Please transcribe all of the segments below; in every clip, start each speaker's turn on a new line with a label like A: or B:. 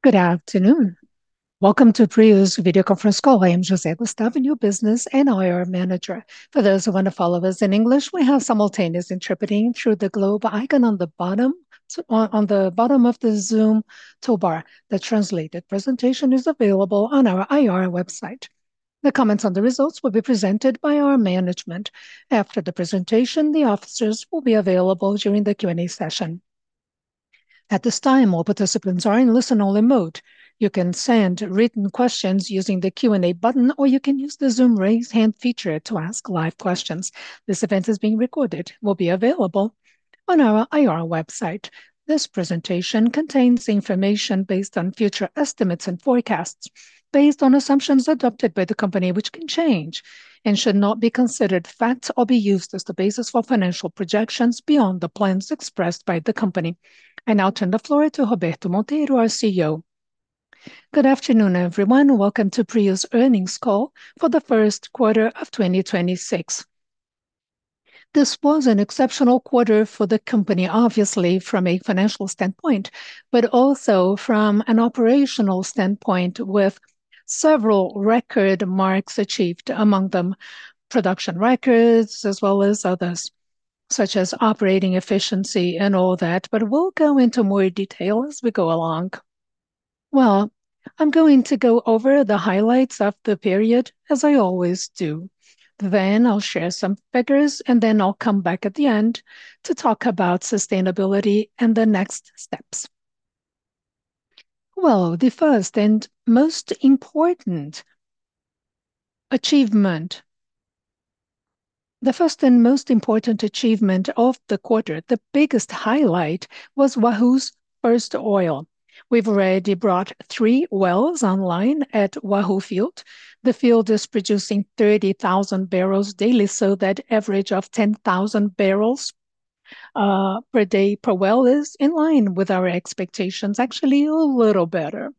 A: Good afternoon. Welcome to PRIO's video conference call. I am José Gustavo, your Business and IR Manager. For those who wanna follow us in English, we have simultaneous interpreting through the globe icon on the bottom on the bottom of the Zoom toolbar. The translated presentation is available on our IR website. The comments on the results will be presented by our management. After the presentation, the officers will be available during the Q&A session. At this time, all participants are in listen-only mode. You can send written questions using the Q&A button, or you can use the Zoom raise hand feature to ask live questions. This event is being recorded and will be available on our IR website. This presentation contains information based on future estimates and forecasts based on assumptions adopted by the company which can change and should not be considered facts or be used as the basis for financial projections beyond the plans expressed by the company. I now turn the floor to Roberto Monteiro, our CEO.
B: Good afternoon, everyone. Welcome to PRIO's earnings call for the first quarter of 2026. This was an exceptional quarter for the company, obviously from a financial standpoint, but also from an operational standpoint with several record marks achieved. Among them, production records, as well as others, such as operating efficiency and all that, but we'll go into more detail as we go along. Well, I'm going to go over the highlights of the period, as I always do. I'll share some figures, I'll come back at the end to talk about sustainability and the next steps. The first and most important achievement of the quarter, the biggest highlight, was Wahoo's first oil. We've already brought three wells online at Wahoo field. The field is producing 30,000bbl daily, that average of 10,000bpd per well is in line with our expectations. Actually, a little better.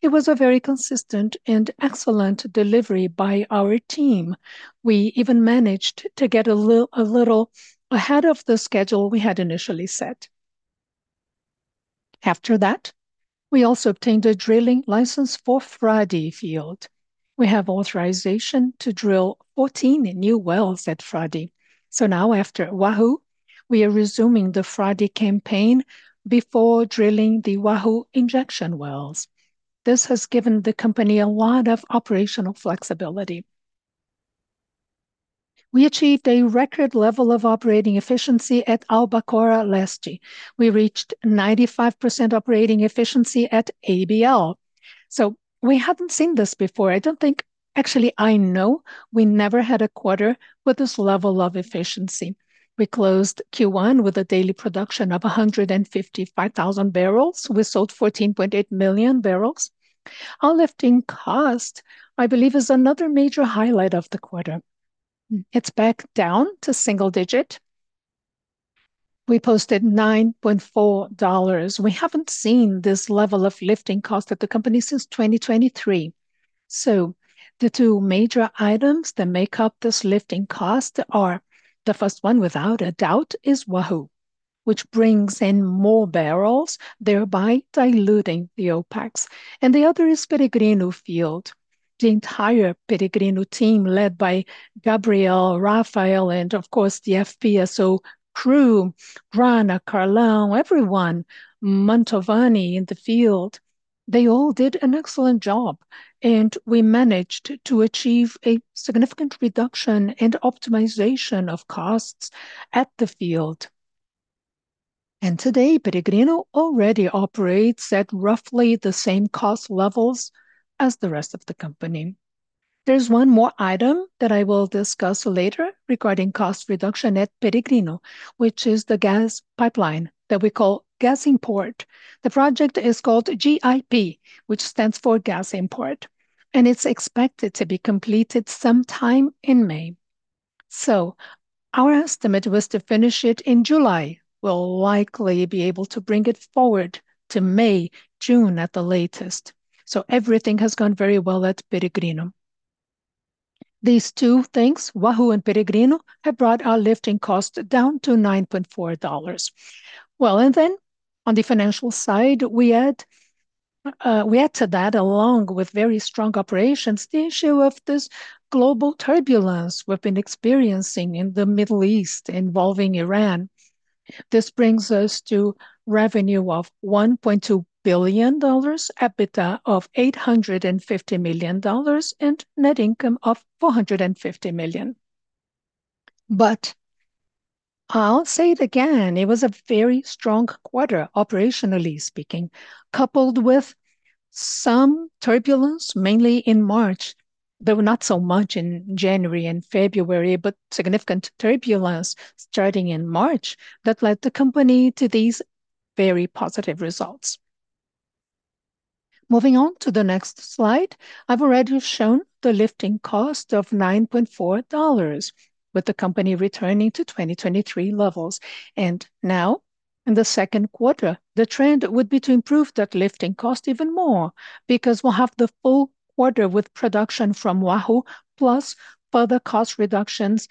B: It was a very consistent and excellent delivery by our team. We even managed to get a little ahead of the schedule we had initially set. We also obtained a drilling license for Frade field. We have authorization to drill 14 new wells at Frade. Now after Wahoo, we are resuming the Frade campaign before drilling the Wahoo injection wells. This has given the company a lot of operational flexibility. We achieved a record level of operating efficiency at Albacora Leste. We reached 95% operating efficiency at ABL. We haven't seen this before. Actually, I know we never had a quarter with this level of efficiency. We closed Q1 with a daily production of 155,000bbl. We sold 14.8 million barrels. Our lifting cost, I believe, is another major highlight of the quarter. It's back down to single digit. We posted $9.4. We haven't seen this level of lifting cost at the company since 2023. The two major items that make up this lifting cost are, the first one without a doubt is Wahoo, which brings in more barrels, thereby diluting the OpEx. The other is Peregrino field. The entire Peregrino team, led by Gabriel, Rafael, and of course the FPSO crew, Rana, Carlão, everyone, Mantovani in the field, they all did an excellent job, and we managed to achieve a significant reduction and optimization of costs at the field. Today, Peregrino already operates at roughly the same cost levels as the rest of the company. There's one more item that I will discuss later regarding cost reduction at Peregrino, which is the gas pipeline that we call Gas Import. The project is called GIP, which stands for Gas Import, and it's expected to be completed sometime in May. Our estimate was to finish it in July. We'll likely be able to bring it forward to May, June at the latest. Everything has gone very well at Peregrino. These two things, Wahoo and Peregrino, have brought our lifting cost down to $9.4. Then on the financial side, we add to that, along with very strong operations, the issue of this global turbulence we've been experiencing in the Middle East involving Iran. This brings us to revenue of $1.2 billion, EBITDA of $850 million, and net income of $450 million. I'll say it again, it was a very strong quarter, operationally speaking, coupled with some turbulence, mainly in March, though not so much in January and February, but significant turbulence starting in March that led the company to these very positive results. Moving on to the next slide. I've already shown the lifting cost of $9.4, with the company returning to 2023 levels. Now, in the second quarter, the trend would be to improve that lifting cost even more because we'll have the full quarter with production from Wahoo, plus further cost reductions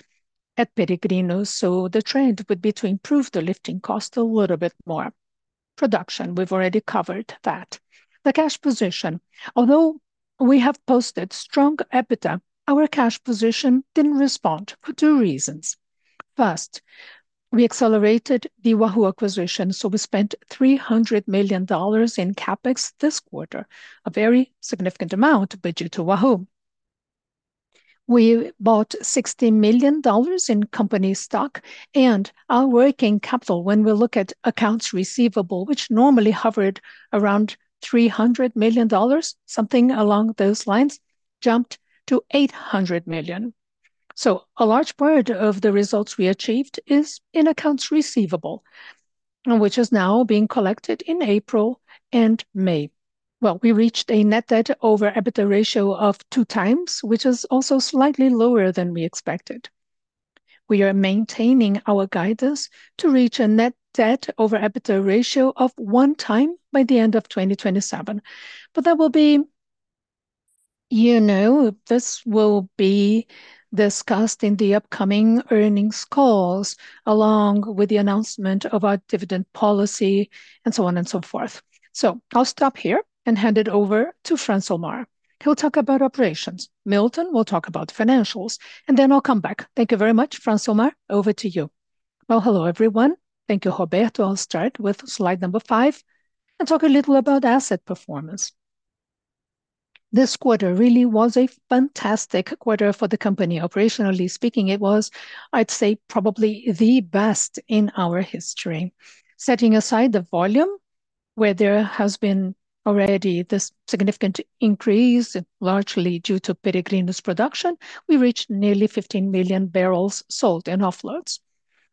B: at Peregrino, so the trend would be to improve the lifting cost a little bit more. Production, we've already covered that. The cash position. Although we have posted strong EBITDA, our cash position didn't respond for two reasons. First, we accelerated the Wahoo acquisition, so we spent $300 million in CapEx this quarter. A very significant amount, but due to Wahoo. We bought $60 million in company stock, and our working capital when we look at accounts receivable, which normally hovered around $300 million, something along those lines, jumped to $800 million. A large part of the results we achieved is in accounts receivable, which is now being collected in April and May. Well, we reached a net debt over EBITDA ratio of 2x, which is also slightly lower than we expected. We are maintaining our guidance to reach a net debt over EBITDA ratio of 1x by the end of 2027. You know, this will be discussed in the upcoming earnings calls along with the announcement of our dividend policy, and so on and so forth. I'll stop here and hand it over to Francilmar. He'll talk about operations. Milton will talk about financials. I'll come back. Thank you very much. Francilmar, over to you.
C: Well, hello, everyone. Thank you, Roberto. I'll start with slide number five and talk a little about asset performance. This quarter really was a fantastic quarter for the company. Operationally speaking, it was, I'd say, probably the best in our history. Setting aside the volume, where there has been already this significant increase, largely due to Peregrino's production, we reached nearly 15MMbbl sold in offloads.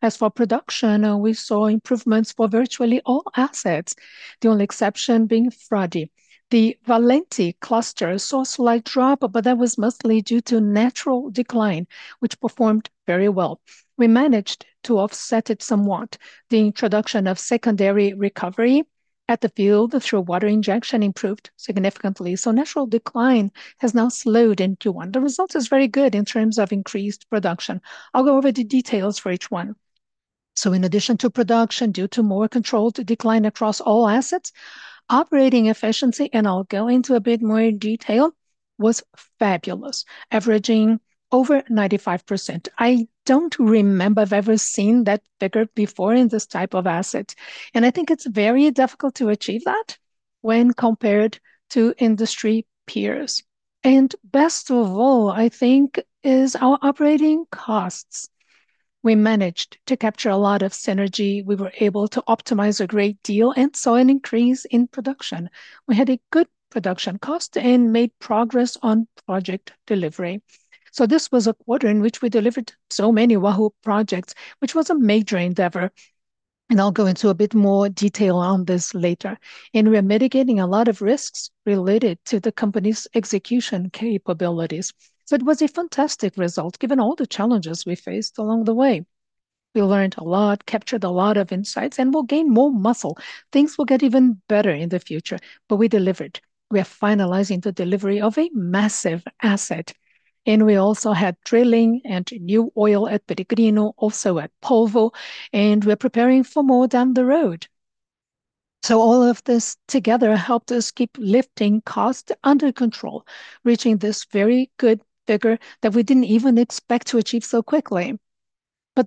C: As for production, we saw improvements for virtually all assets. The only exception being Frade. The Valente cluster saw a slight drop, but that was mostly due to natural decline, which performed very well. We managed to offset it somewhat. The introduction of secondary recovery at the field through water injection improved significantly, so natural decline has now slowed in Q1. The result is very good in terms of increased production. I'll go over the details for each one. In addition to production due to more controlled decline across all assets, operating efficiency, and I'll go into a bit more detail, was fabulous, averaging over 95%. I don't remember I've ever seen that figure before in this type of asset, and I think it's very difficult to achieve that when compared to industry peers. Best of all, I think, is our operating costs. We managed to capture a lot of synergy. We were able to optimize a great deal and saw an increase in production. We had a good production cost and made progress on project delivery. This was a quarter in which we delivered so many Wahoo projects, which was a major endeavor, and I'll go into a bit more detail on this later. We are mitigating a lot of risks related to the company's execution capabilities. It was a fantastic result given all the challenges we faced along the way. We learned a lot, captured a lot of insights, and we'll gain more muscle. Things will get even better in the future. We delivered. We are finalizing the delivery of a massive asset. We also had drilling and new oil at Peregrino, also at Polvo. We're preparing for more down the road. All of this together helped us keep lifting costs under control, reaching this very good figure that we didn't even expect to achieve so quickly.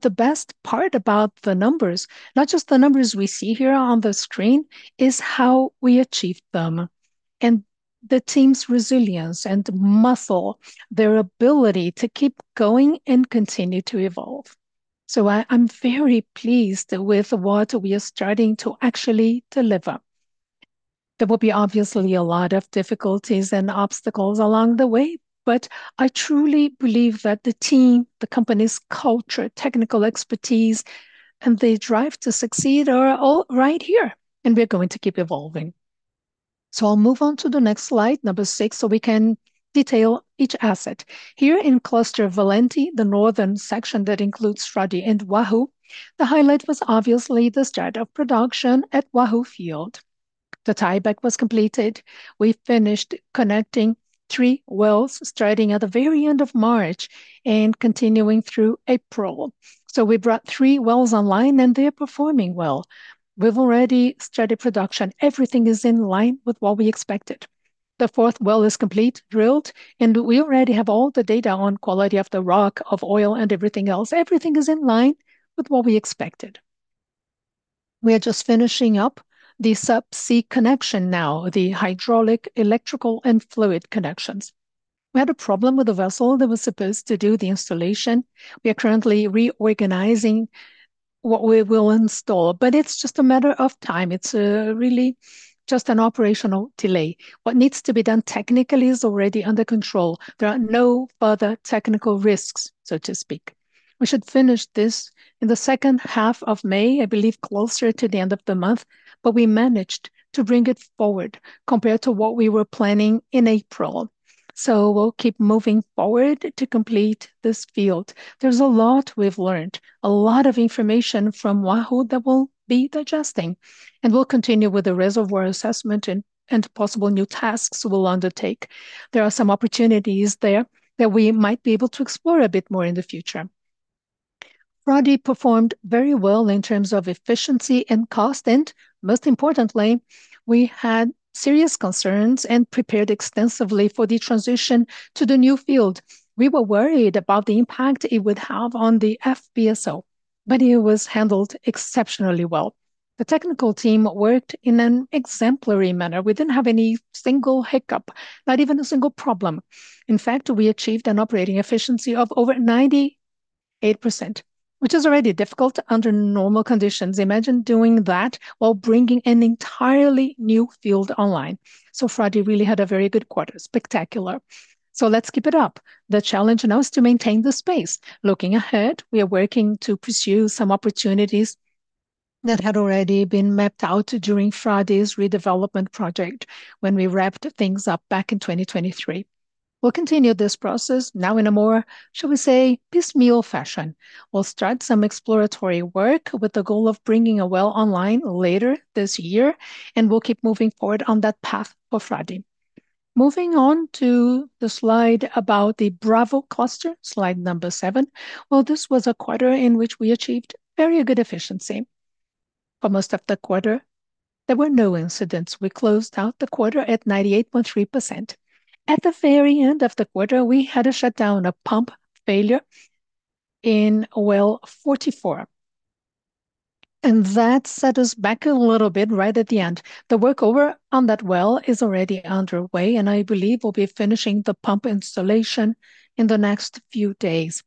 C: The best part about the numbers, not just the numbers we see here on the screen, is how we achieved them. The team's resilience and muscle, their ability to keep going and continue to evolve. I'm very pleased with what we are starting to actually deliver. There will be obviously a lot of difficulties and obstacles along the way, I truly believe that the team, the company's culture, technical expertise, and the drive to succeed are all right here, we're going to keep evolving. I'll move on to the next slide, number six, so we can detail each asset. Here in Cluster Valente, the northern section that includes Frade and Wahoo, the highlight was obviously the start of production at Wahoo field. The tieback was completed. We finished connecting three wells starting at the very end of March and continuing through April. We brought three wells online, and they are performing well. We've already started production. Everything is in line with what we expected. The fourth well is complete, drilled, and we already have all the data on quality of the rock, of oil, and everything else. Everything is in line with what we expected. We are just finishing up the subsea connection now, the hydraulic, electrical, and fluid connections. We had a problem with the vessel that was supposed to do the installation. We are currently reorganizing what we will install, but it's just a matter of time. It's really just an operational delay. What needs to be done technically is already under control. There are no further technical risks, so to speak. We should finish this in the second half of May, I believe closer to the end of the month, but we managed to bring it forward compared to what we were planning in April. We'll keep moving forward to complete this field. There's a lot we've learned, a lot of information from Wahoo that we'll be digesting, and we'll continue with the reservoir assessment and possible new tasks we'll undertake. There are some opportunities there that we might be able to explore a bit more in the future. Frade performed very well in terms of efficiency and cost, and most importantly, we had serious concerns and prepared extensively for the transition to the new field. We were worried about the impact it would have on the FPSO, but it was handled exceptionally well. The technical team worked in an exemplary manner. We didn't have any single hiccup, not even a single problem. In fact, we achieved an operating efficiency of over 98%, which is already difficult under normal conditions. Imagine doing that while bringing an entirely new field online. Frade really had a very good quarter. Spectacular. Let's keep it up. The challenge now is to maintain the space. Looking ahead, we are working to pursue some opportunities that had already been mapped out during Frade's redevelopment project when we wrapped things up back in 2023. We'll continue this process now in a more, shall we say, piecemeal fashion. We'll start some exploratory work with the goal of bringing a well online later this year, and we'll keep moving forward on that path for Frade. Moving on to the slide about the Bravo cluster, slide number seven. Well, this was a quarter in which we achieved very good efficiency. For most of the quarter, there were no incidents. We closed out the quarter at 98.3%. At the very end of the quarter, we had a shutdown, a pump failure in well 44, and that set us back a little bit right at the end. The workover on that well is already underway, and I believe we'll be finishing the pump installation in the next few days.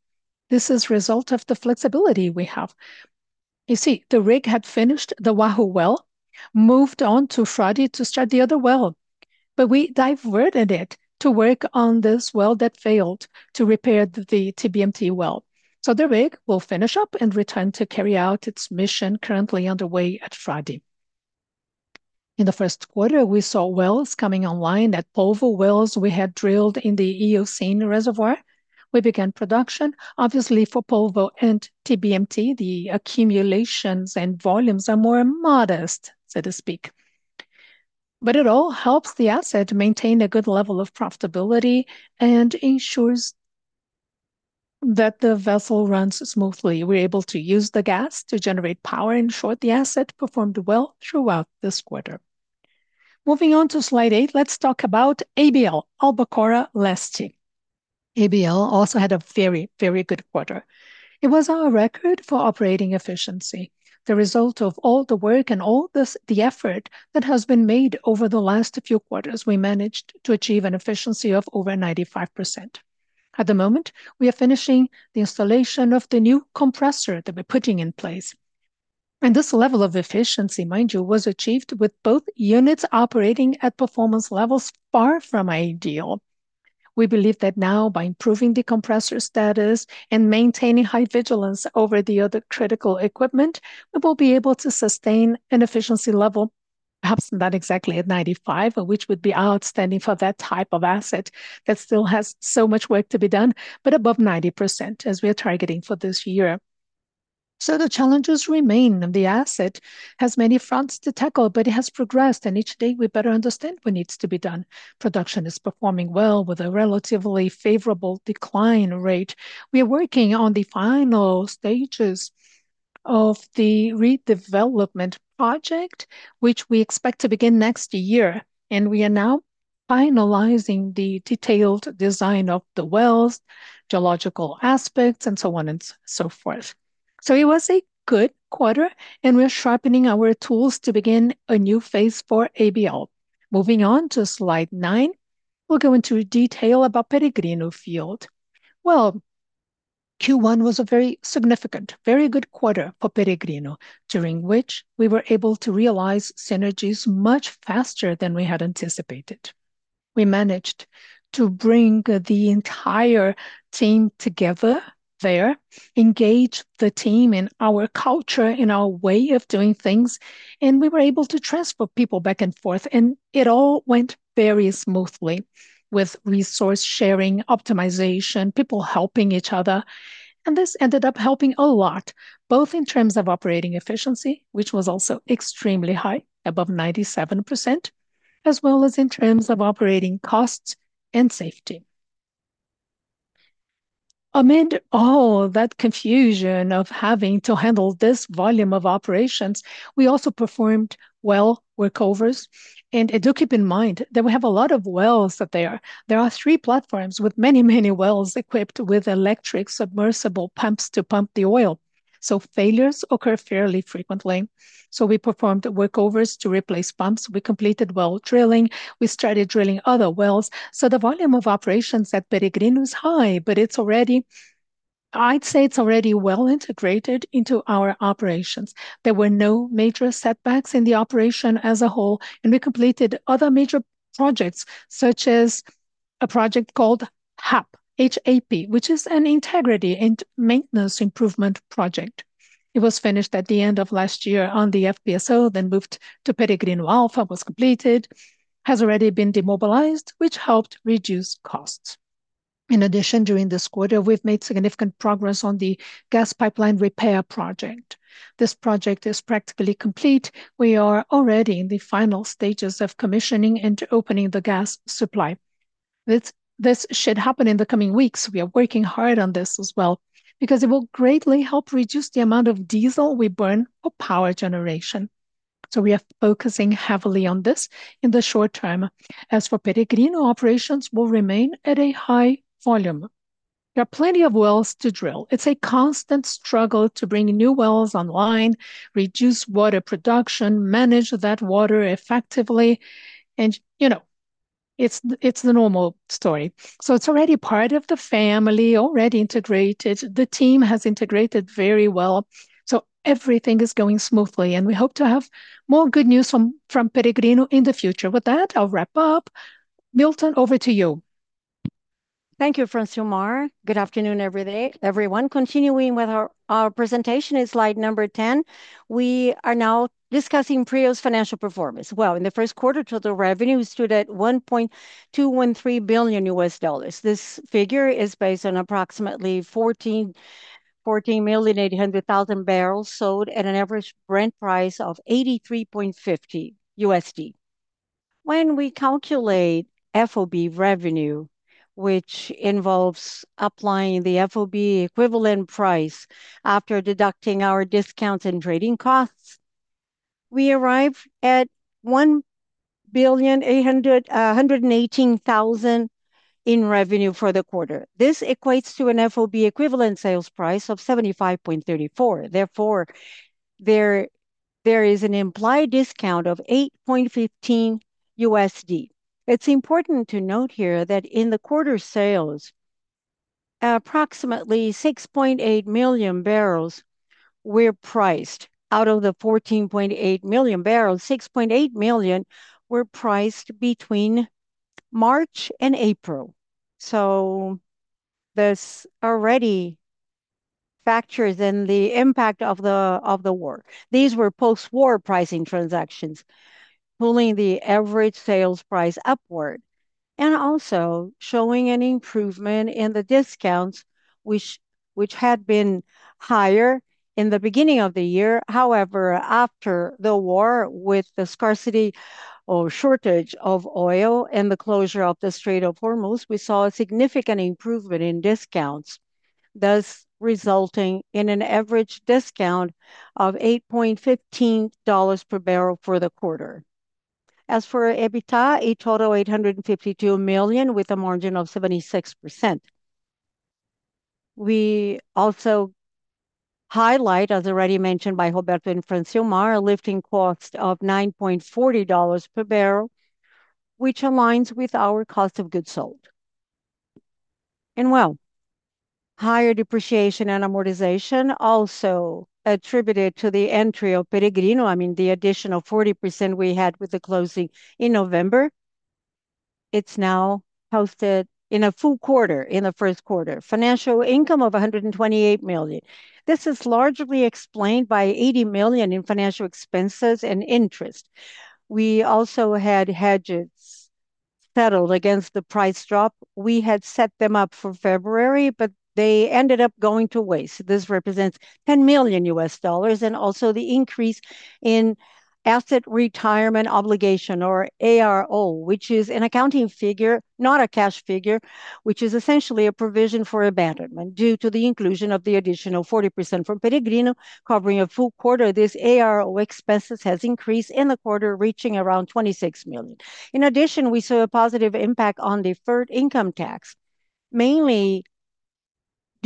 C: This is result of the flexibility we have. You see, the rig had finished the Wahoo well, moved on to Frade to start the other well, but we diverted it to work on this well that failed to repair the TBMT well. The rig will finish up and return to carry out its mission currently underway at Frade. In the first quarter, we saw wells coming online. At Polvo wells we had drilled in the Eocene reservoir. We began production. Obviously, for Polvo and TBMT, the accumulations and volumes are more modest, so to speak. It all helps the asset maintain a good level of profitability and ensures that the vessel runs smoothly. We're able to use the gas to generate power. In short, the asset performed well throughout this quarter. Moving on to slide eight, let's talk about ABL, Albacora Leste. ABL also had a very good quarter. It was our record for operating efficiency. The result of all the work and the effort that has been made over the last few quarters, we managed to achieve an efficiency of over 95%. At the moment, we are finishing the installation of the new compressor that we're putting in place. This level of efficiency, mind you, was achieved with both units operating at performance levels far from ideal. We believe that now by improving the compressor status and maintaining high vigilance over the other critical equipment, we will be able to sustain an efficiency level, perhaps not exactly at 95%, which would be outstanding for that type of asset that still has so much work to be done, but above 90% as we are targeting for this year. The challenges remain, and the asset has many fronts to tackle, but it has progressed, and each day we better understand what needs to be done. Production is performing well with a relatively favorable decline rate. We are working on the final stages of the redevelopment project, which we expect to begin next year, and we are now finalizing the detailed design of the wells, geological aspects, and so on and so forth. It was a good quarter, and we are sharpening our tools to begin a new phase for ABL. Moving on to slide nine, we'll go into detail about Peregrino Field. Well, Q1 was a very significant, very good quarter for Peregrino, during which we were able to realize synergies much faster than we had anticipated. We managed to bring the entire team together there, engage the team in our culture, in our way of doing things, we were able to transfer people back and forth. It all went very smoothly with resource sharing, optimization, people helping each other. This ended up helping a lot, both in terms of operating efficiency, which was also extremely high, above 97%, as well as in terms of operating costs and safety. Amid all that confusion of having to handle this volume of operations, we also performed well workovers. Do keep in mind that we have a lot of wells out there. There are three platforms with many wells equipped with electric submersible pumps to pump the oil. Failures occur fairly frequently. We performed workovers to replace pumps. We completed well drilling. We started drilling other wells. The volume of operations at Peregrino is high, but it's already well integrated into our operations. There were no major setbacks in the operation as a whole, and we completed other major projects, such as a project called HAP, H-A-P, which is an integrity and maintenance improvement project. It was finished at the end of last year on the FPSO, then moved to Peregrino Alpha, was completed, has already been demobilized, which helped reduce costs. In addition, during this quarter, we've made significant progress on the gas pipeline repair project. This project is practically complete. We are already in the final stages of commissioning and opening the gas supply. This should happen in the coming weeks. We are working hard on this as well because it will greatly help reduce the amount of diesel we burn for power generation. We are focusing heavily on this in the short-term. As for Peregrino, operations will remain at a high volume. There are plenty of wells to drill. It's a constant struggle to bring new wells online, reduce water production, manage that water effectively, and, you know, it's the normal story. It's already part of the family, already integrated. The team has integrated very well, so everything is going smoothly, and we hope to have more good news from Peregrino in the future. With that, I'll wrap up. Milton, over to you.
D: Thank you, Francilmar. Good afternoon, everybody, everyone. Continuing with our presentation in slide number 10, we are now discussing PRIO's financial performance. Well, in the first quarter, total revenue stood at $1.213 billion. This figure is based on approximately 14,800,000bbl sold at an average Brent price of $83.50. When we calculate FOB revenue, which involves applying the FOB equivalent price after deducting our discounts and trading costs, we arrive at $1,000,118,000 in revenue for the quarter. This equates to an FOB equivalent sales price of $75.34. Therefore, there is an implied discount of $8.15. It's important to note here that in the quarter sales, approximately 6.8MMbbl were priced out of the 14.8MMbbl. 6.8 million were priced between March and April. This already factors in the impact of the war. These were post-war pricing transactions pulling the average sales price upward and also showing an improvement in the discounts which had been higher in the beginning of the year. However, after the war, with the scarcity or shortage of oil and the closure of the Strait of Hormuz, we saw a significant improvement in discounts, thus resulting in an average discount of $8.15 per barrel for the quarter. As for EBITDA, a total $852 million with a margin of 76%. We also highlight, as already mentioned by Roberto and Francilmar, a lifting cost of $9.40 per barrel, which aligns with our cost of goods sold. Well, higher depreciation and amortization also attributed to the entry of Peregrino, I mean, the additional 40% we had with the closing in November. It's now posted in a full quarter, in the first quarter. Financial income of $128 million. This is largely explained by $80 million in financial expenses and interest. We also had hedges settled against the price drop. We had set them up for February, but they ended up going to waste. This represents $10 million and also the increase in asset retirement obligation, or ARO, which is an accounting figure, not a cash figure, which is essentially a provision for abandonment due to the inclusion of the additional 40% from Peregrino covering a full quarter. This ARO expenses has increased in the quarter, reaching around $26 million. In addition, we saw a positive impact on deferred income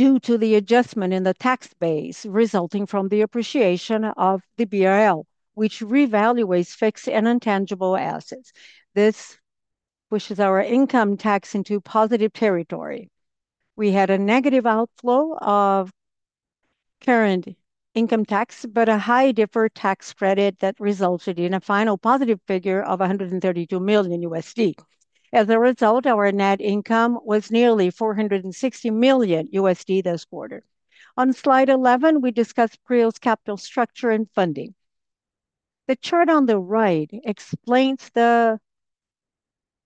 D: tax, mainly due to the adjustment in the tax base resulting from the appreciation of the BRL, which revaluates fixed and intangible assets. This pushes our income tax into positive territory. We had a negative outflow of current income tax, but a high deferred tax credit that resulted in a final positive figure of $132 million. As a result, our net income was nearly $460 million this quarter. On slide 11, we discuss PRIO's capital structure and funding. The chart on the right explains the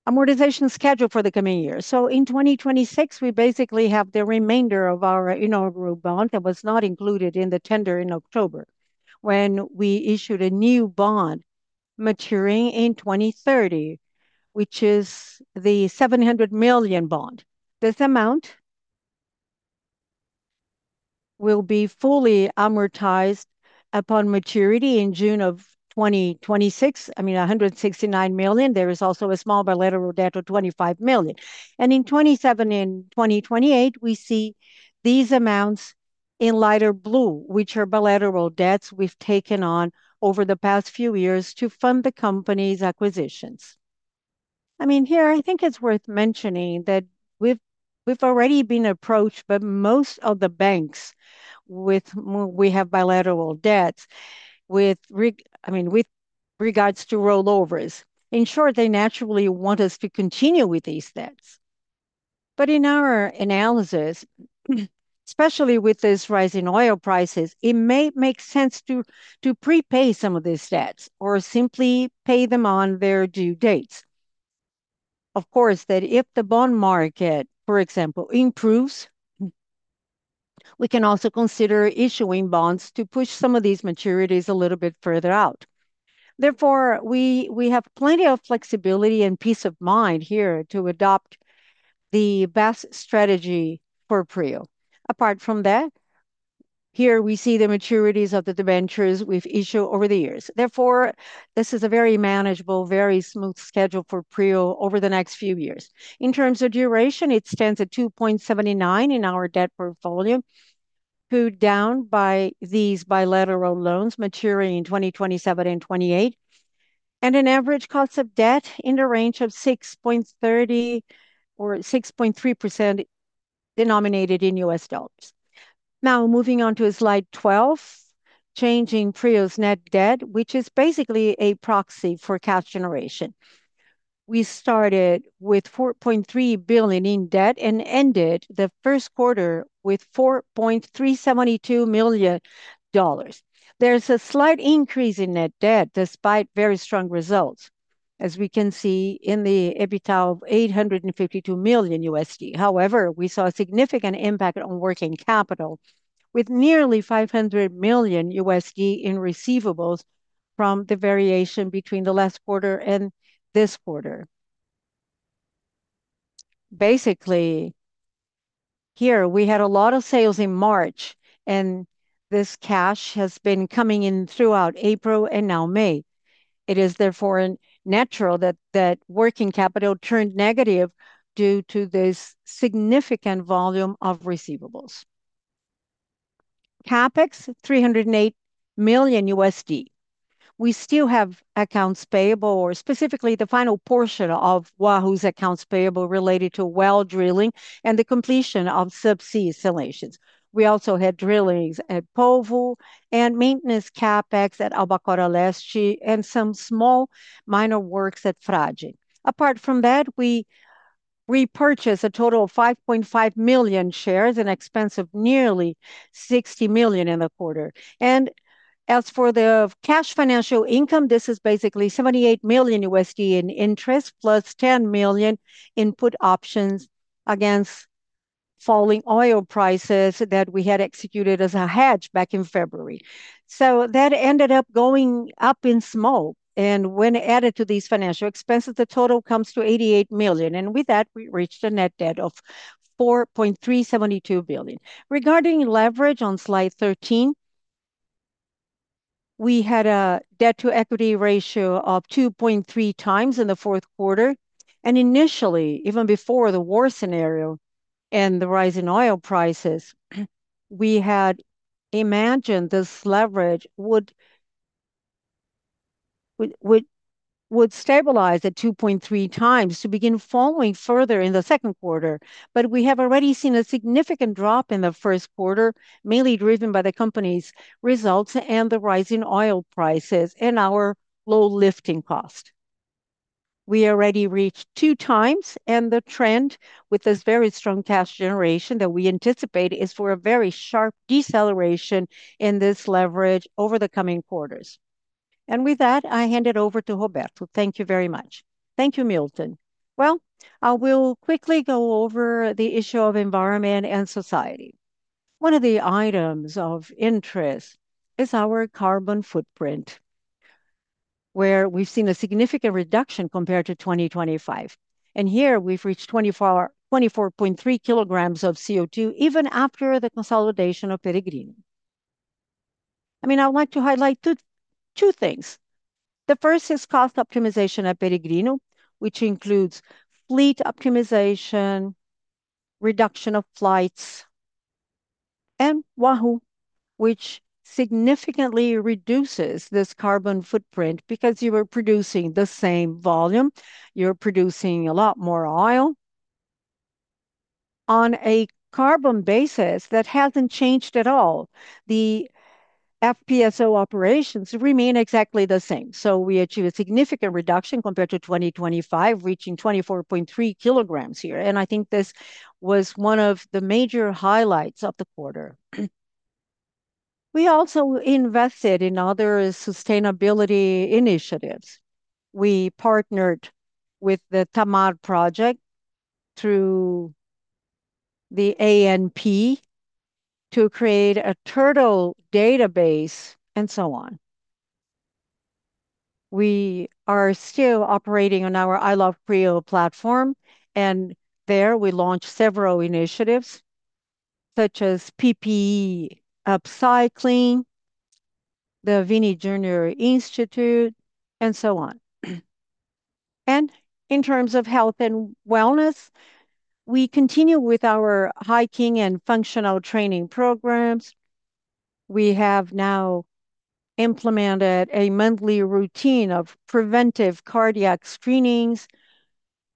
D: amortization schedule for the coming year. In 2026, we basically have the remainder of our inaugural bond that was not included in the tender in October when we issued a new bond maturing in 2030, which is the $700 million bond. This amount will be fully amortized upon maturity in June of 2026, I mean, $169 million. There is also a small bilateral debt of $25 million. In 2027 and 2028, we see these amounts in lighter blue, which are bilateral debts we've taken on over the past few years to fund the company's acquisitions. I mean, here, I think it's worth mentioning that we've already been approached by most of the banks with we have bilateral debts with I mean, with regards to rollovers. In short, they naturally want us to continue with these debts. In our analysis, especially with this rise in oil prices, it may make sense to prepay some of these debts or simply pay them on their due dates. Of course, that if the bond market, for example, improves. We can also consider issuing bonds to push some of these maturities a little bit further out. We have plenty of flexibility and peace of mind here to adopt the best strategy for PRIO. Apart from that, here we see the maturities of the debentures we've issued over the years. This is a very manageable, very smooth schedule for PRIO over the next few years. In terms of duration, it stands at 2.79 in our debt portfolio, pulled down by these bilateral loans maturing in 2027 and 2028, and an average cost of debt in the range of 6.30, or 6.3% denominated in US dollars. Moving on to slide 12, changing PRIO's net debt, which is basically a proxy for cash generation. We started with $4.3 billion in debt and ended the first quarter with $4.372 million. There's a slight increase in net debt despite very strong results, as we can see in the EBITDA of $852 million. We saw a significant impact on working capital with nearly $500 million in receivables from the variation between the last quarter and this quarter. Here we had a lot of sales in March. This cash has been coming in throughout April and now May. It is therefore natural that working capital turned negative due to this significant volume of receivables. CapEx, $308 million. We still have accounts payable, or specifically the final portion of Wahoo's accounts payable related to well drilling and the completion of subsea installations. We also had drillings at Polvo and maintenance CapEx at Albacora Leste and some small minor works at Frade. Apart from that, we repurchased a total of 5.5 million shares, an expense of nearly $60 million in the quarter. As for the cash financial income, this is basically $78 million in interest, plus $10 million in put options against falling oil prices that we had executed as a hedge back in February. That ended up going up in smoke, and when added to these financial expenses, the total comes to $88 million. With that, we reached a net debt of $4.372 billion. Regarding leverage on slide 13, we had a debt-to-equity ratio of 2.3x in the fourth quarter. Initially, even before the war scenario and the rise in oil prices, we had imagined this leverage would stabilize at 2.3x to begin falling further in the second quarter. We have already seen a significant drop in the first quarter, mainly driven by the company's results and the rise in oil prices and our low lifting cost. We already reached 2x, and the trend with this very strong cash generation that we anticipate is for a very sharp deceleration in this leverage over the coming quarters. With that, I hand it over to Roberto. Thank you very much.
B: Thank you, Milton. Well, I will quickly go over the issue of environment and society. One of the items of interest is our carbon footprint, where we've seen a significant reduction compared to 2025. Here we've reached 24.3kg of CO2 even after the consolidation of Peregrino. I mean, I want to highlight two things. The first is cost optimization at Peregrino, which includes fleet optimization, reduction of flights, and Wahoo, which significantly reduces this carbon footprint because you are producing the same volume. You're producing a lot more oil. On a carbon basis, that hasn't changed at all. The FPSO operations remain exactly the same. We achieve a significant reduction compared to 2025, reaching 24.3kg here. I think this was one of the major highlights of the quarter. We also invested in other sustainability initiatives. We partnered with the Tamar project through the ANP to create a turtle database, and so on. We are still operating on our I Love PRIO platform, and there we launched several initiatives, such as PPE upcycling, the Vini Jr. Institute, and so on. In terms of health and wellness, we continue with our hiking and functional training programs. We have now implemented a monthly routine of preventive cardiac screenings,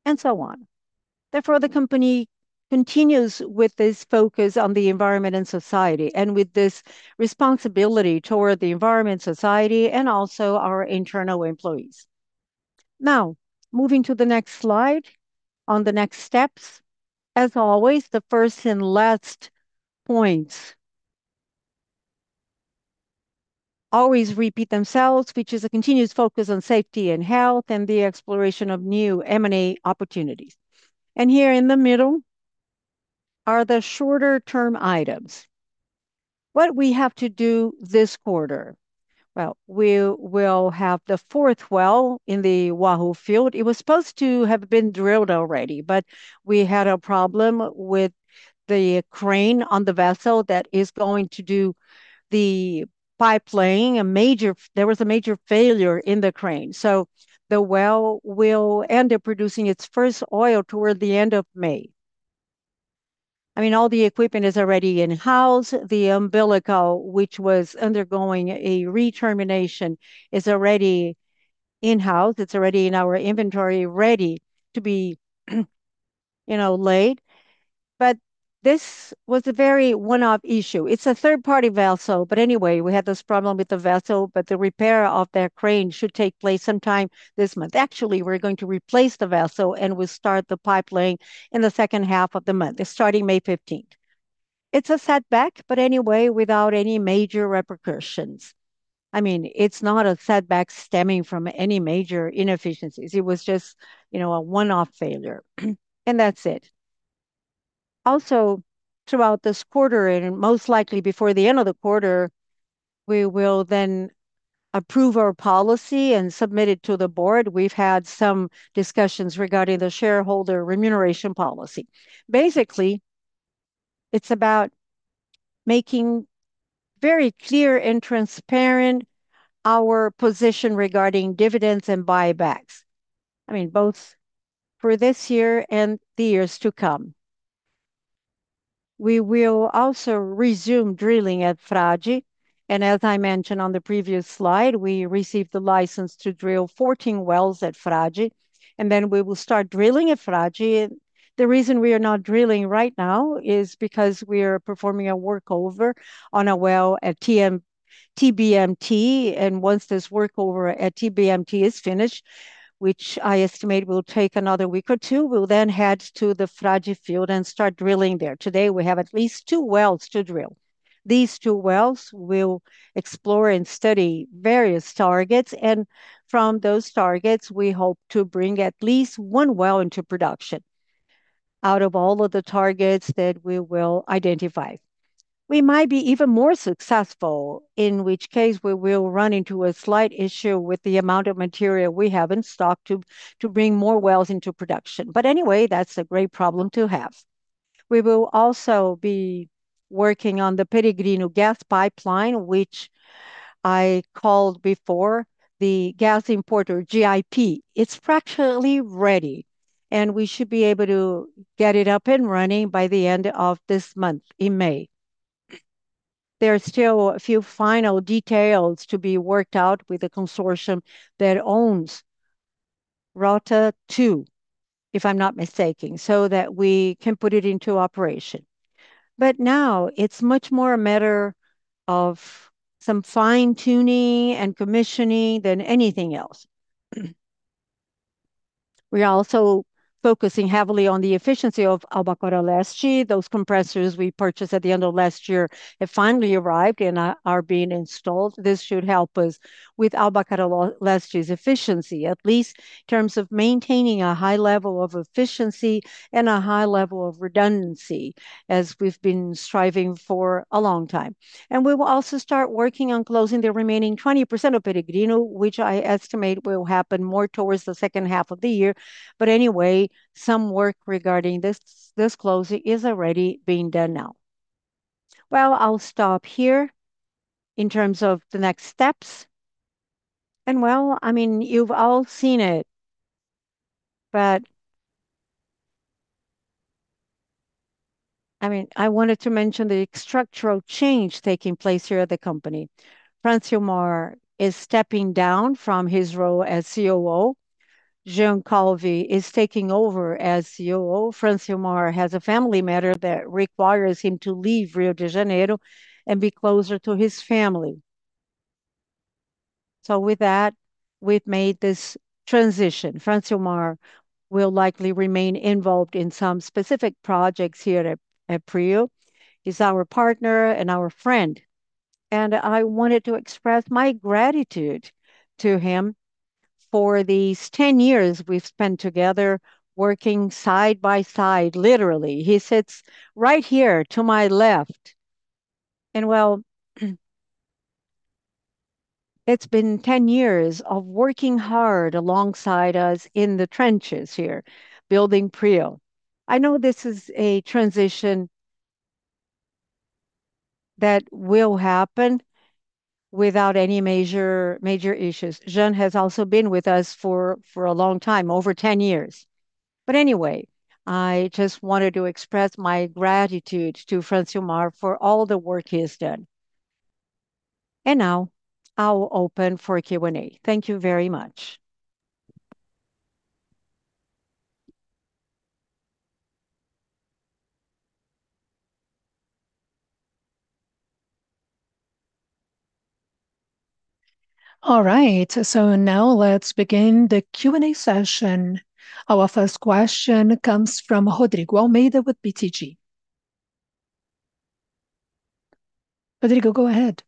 B: and so on. The company continues with this focus on the environment and society, and with this responsibility toward the environment, society, and also our internal employees. Moving to the next slide on the next steps. As always, the first and last points always repeat themselves, which is a continuous focus on safety and health, and the exploration of new M&A opportunities. Here in the middle are the shorter-term items. What we have to do this quarter. Well, we will have the fourth well in the Wahoo field. It was supposed to have been drilled already, we had a problem with the crane on the vessel that is going to do the pipe laying. There was a major failure in the crane, the well will end up producing its first oil toward the end of May. I mean, all the equipment is already in-house. The umbilical, which was undergoing a re-termination, is already in-house. It's already in our inventory ready to be, you know, laid. This was a very one-off issue. It's a third-party vessel. Anyway, we had this problem with the vessel, but the repair of that crane should take place sometime this month. Actually, we're going to replace the vessel, and we'll start the pipe laying in the second half of the month, starting May 15th. It's a setback, but anyway, without any major repercussions. I mean, it's not a setback stemming from any major inefficiencies. It was just, you know, a one-off failure, and that's it. Throughout this quarter, most likely before the end of the quarter, we will approve our policy and submit it to the board. We've had some discussions regarding the shareholder remuneration policy. Basically, it's about making very clear and transparent our position regarding dividends and buybacks, I mean, both for this year and the years to come. We will also resume drilling at Frade. As I mentioned on the previous slide, we received the license to drill 14 wells at Frade, we will start drilling at Frade. The reason we are not drilling right now is because we are performing a workover on a well at TBMT. Once this workover at TBMT is finished, which I estimate will take another week or two, we will head to the Frade field and start drilling there. Today we have at least two wells to drill. These two wells will explore and study various targets, and from those targets, we hope to bring at least one well into production out of all of the targets that we will identify. We might be even more successful, in which case we will run into a slight issue with the amount of material we have in stock to bring more wells into production. Anyway, that's a great problem to have. We will also be working on the Peregrino gas pipeline, which I called before the Gas Import, GIP. It's practically ready, and we should be able to get it up and running by the end of this month, in May. There are still a few final details to be worked out with the consortium that owns Rota 2, if I'm not mistaken, so that we can put it into operation. Now it's much more a matter of some fine-tuning and commissioning than anything else. We are also focusing heavily on the efficiency of Albacora Leste. Those compressors we purchased at the end of last year have finally arrived and are being installed. This should help us with Albacora Leste's efficiency, at least in terms of maintaining a high level of efficiency and a high level of redundancy, as we've been striving for a long time. We will also start working on closing the remaining 20% of Peregrino, which I estimate will happen more towards the second half of the year. Anyway, some work regarding this closing is already being done now. Well, I'll stop here in terms of the next steps. Well, I mean, you've all seen it, but I mean, I wanted to mention the structural change taking place here at the company. Francilmar is stepping down from his role as COO. Jean Calvi is taking over as COO. Francilmar has a family matter that requires him to leave Rio de Janeiro and be closer to his family. With that, we've made this transition. Francilmar will likely remain involved in some specific projects here at PRIO. He's our partner and our friend, and I wanted to express my gratitude to him for these 10 years we've spent together working side by side, literally. He sits right here to my left. Well, it's been 10 years of working hard alongside us in the trenches here, building PRIO. I know this is a transition that will happen without any major issues. Jean has also been with us for a long time, over 10 years. Anyway, I just wanted to express my gratitude to Francilmar for all the work he has done. And now I will open for Q&A. Thank you very much.
A: All right, now let's begin the Q&A session. Our first question comes from Rodrigo Almeida with BTG. Rodrigo, go ahead.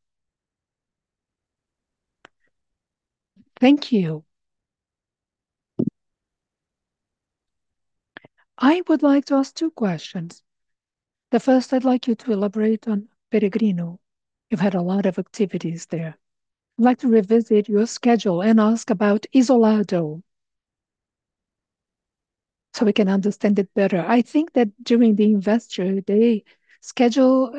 E: Thank you. I would like to ask two questions. The first, I'd like you to elaborate on Peregrino. You've had a lot of activities there. I'd like to revisit your schedule and ask about Isolado so we can understand it better. I think that during the investor day, schedule,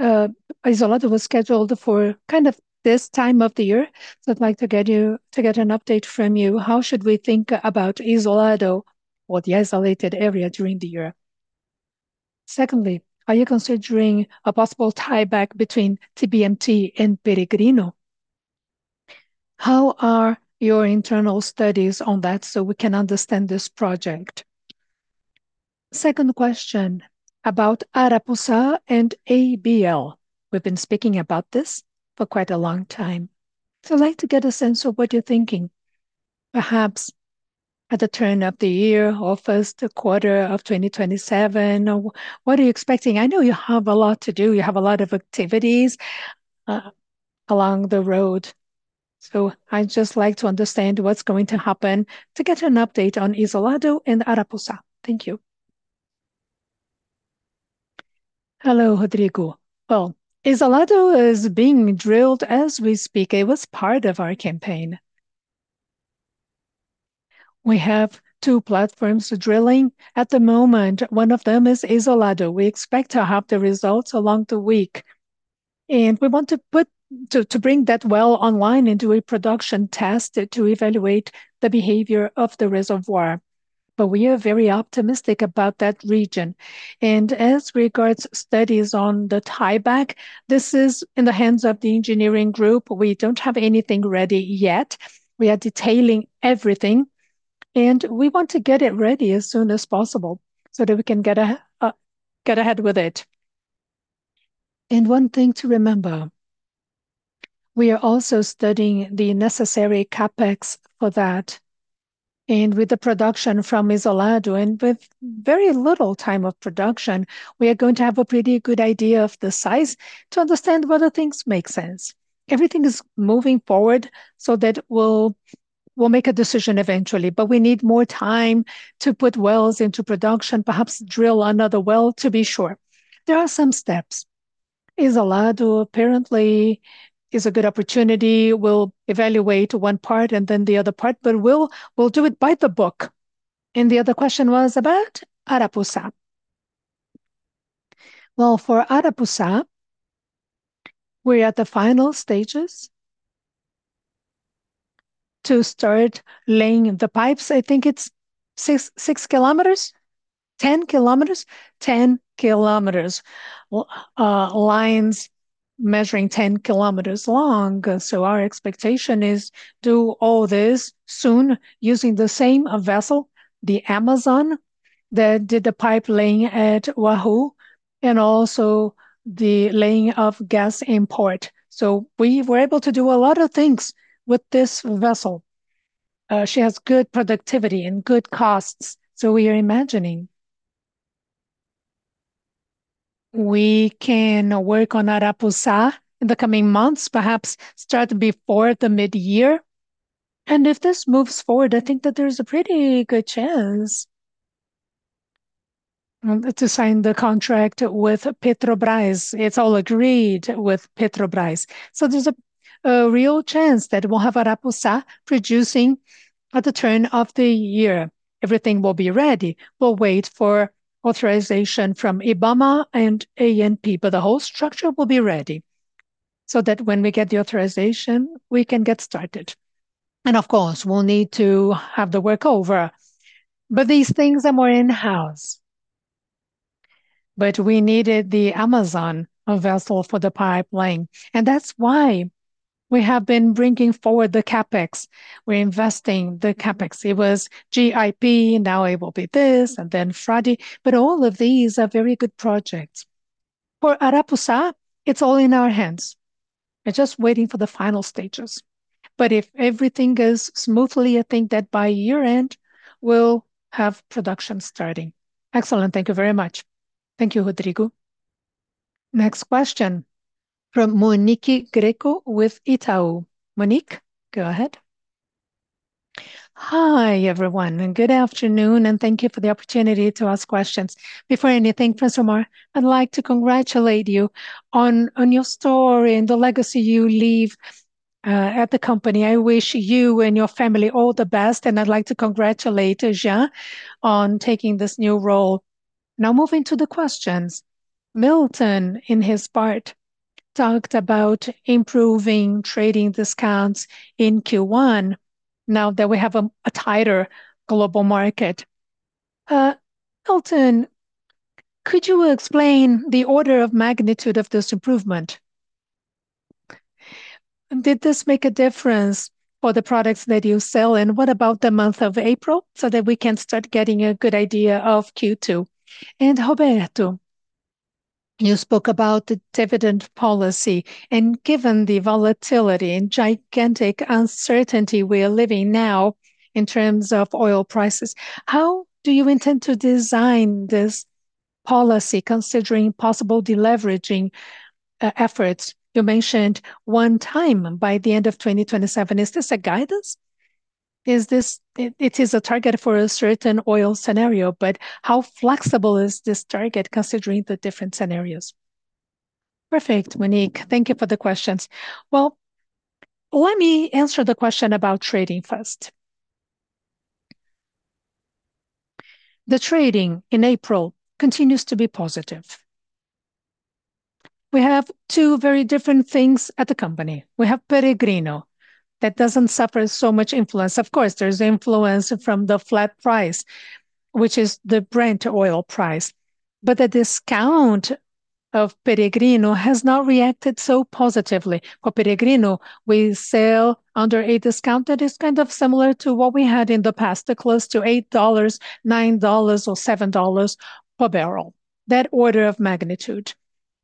E: Isolado was scheduled for kind of this time of the year. I'd like to get an update from you. How should we think about Isolado or the isolated area during the year? Secondly, are you considering a possible tieback between TBMT and Peregrino? How are your internal studies on that? We can understand this project. Second question about Arapuça and ABL. We've been speaking about this for quite a long time, so I'd like to get a sense of what you're thinking. Perhaps at the turn of the year or first quarter of 2027, what are you expecting? I know you have a lot to do. You have a lot of activities along the road, so I'd just like to understand what's going to happen to get an update on Isolado and Arapuça. Thank you.
C: Hello, Rodrigo. Well, Isolado is being drilled as we speak. It was part of our campaign. We have two platforms drilling at the moment. One of them is Isolado. We expect to have the results along the week, and we want to bring that well online and do a production test to evaluate the behavior of the reservoir, but we are very optimistic about that region. As regards studies on the tieback, this is in the hands of the engineering group. We don't have anything ready yet. We are detailing everything, and we want to get it ready as soon as possible so that we can get ahead with it. One thing to remember, we are also studying the necessary CapEx for that. With the production from Isolado and with very little time of production, we are going to have a pretty good idea of the size to understand whether things make sense. Everything is moving forward so that we'll make a decision eventually, but we need more time to put wells into production, perhaps drill another well to be sure. There are some steps. Isolado apparently is a good opportunity. We'll evaluate one part and then the other part, but we'll do it by the book. The other question was about Arapuça. Well, for Arapuça, we're at the final stages to start laying the pipes. I think it's 6km. 10km? Lines measuring 10km long. Our expectation is do all this soon using the same vessel, the Amazon, that did the pipe-laying at Wahoo and also the laying of Gas Import. She has good productivity and good costs, so we are imagining we can work on Arapuça in the coming months, perhaps start before the mid-year. If this moves forward, I think that there's a pretty good chance to sign the contract with Petrobras. It's all agreed with Petrobras. There's a real chance that we'll have Arapuça producing at the turn of the year. Everything will be ready. We'll wait for authorization from IBAMA and ANP. The whole structure will be ready so that when we get the authorization, we can get started. Of course, we'll need to have the workover. These things are more in-house. We needed the Amazon vessel for the pipe laying, and that's why we have been bringing forward the CapEx. We're investing the CapEx. It was GIP, now it will be this, then Frade. All of these are very good projects. For Arapuça, it's all in our hands. We're just waiting for the final stages. If everything goes smoothly, I think that by year-end we'll have production starting.
A: Excellent. Thank you very much. Thank you, Rodrigo. Next question from Monique Greco with Itaú. Monique, go ahead.
F: Hi, everyone. Good afternoon. Thank you for the opportunity to ask questions. Before anything, Francilmar, I'd like to congratulate you on your story and the legacy you leave at the company. I wish you and your family all the best. I'd like to congratulate Jean on taking this new role. Now moving to the questions. Milton, in his part, talked about improving trading discounts in Q1 now that we have a tighter global market. Milton Rangel, could you explain the order of magnitude of this improvement? Did this make a difference for the products that you sell? What about the month of April so that we can start getting a good idea of Q2? Roberto, you spoke about the dividend policy, given the volatility and gigantic uncertainty we are living now in terms of oil prices, how do you intend to design this policy considering possible deleveraging efforts. You mentioned one time by the end of 2027. Is this a guidance? Is this It, it is a target for a certain oil scenario, but how flexible is this target considering the different scenarios?
D: Perfect, Monique. Thank you for the questions. Well, let me answer the question about trading first. The trading in April continues to be positive. We have two very different things at the company. We have Peregrino that doesn't suffer so much influence. Of course, there's influence from the flat price, which is the Brent oil price, but the discount of Peregrino has not reacted so positively. For Peregrino, we sell under a discount that is kind of similar to what we had in the past. Close to $8, $9 or $7 per barrel. That order of magnitude.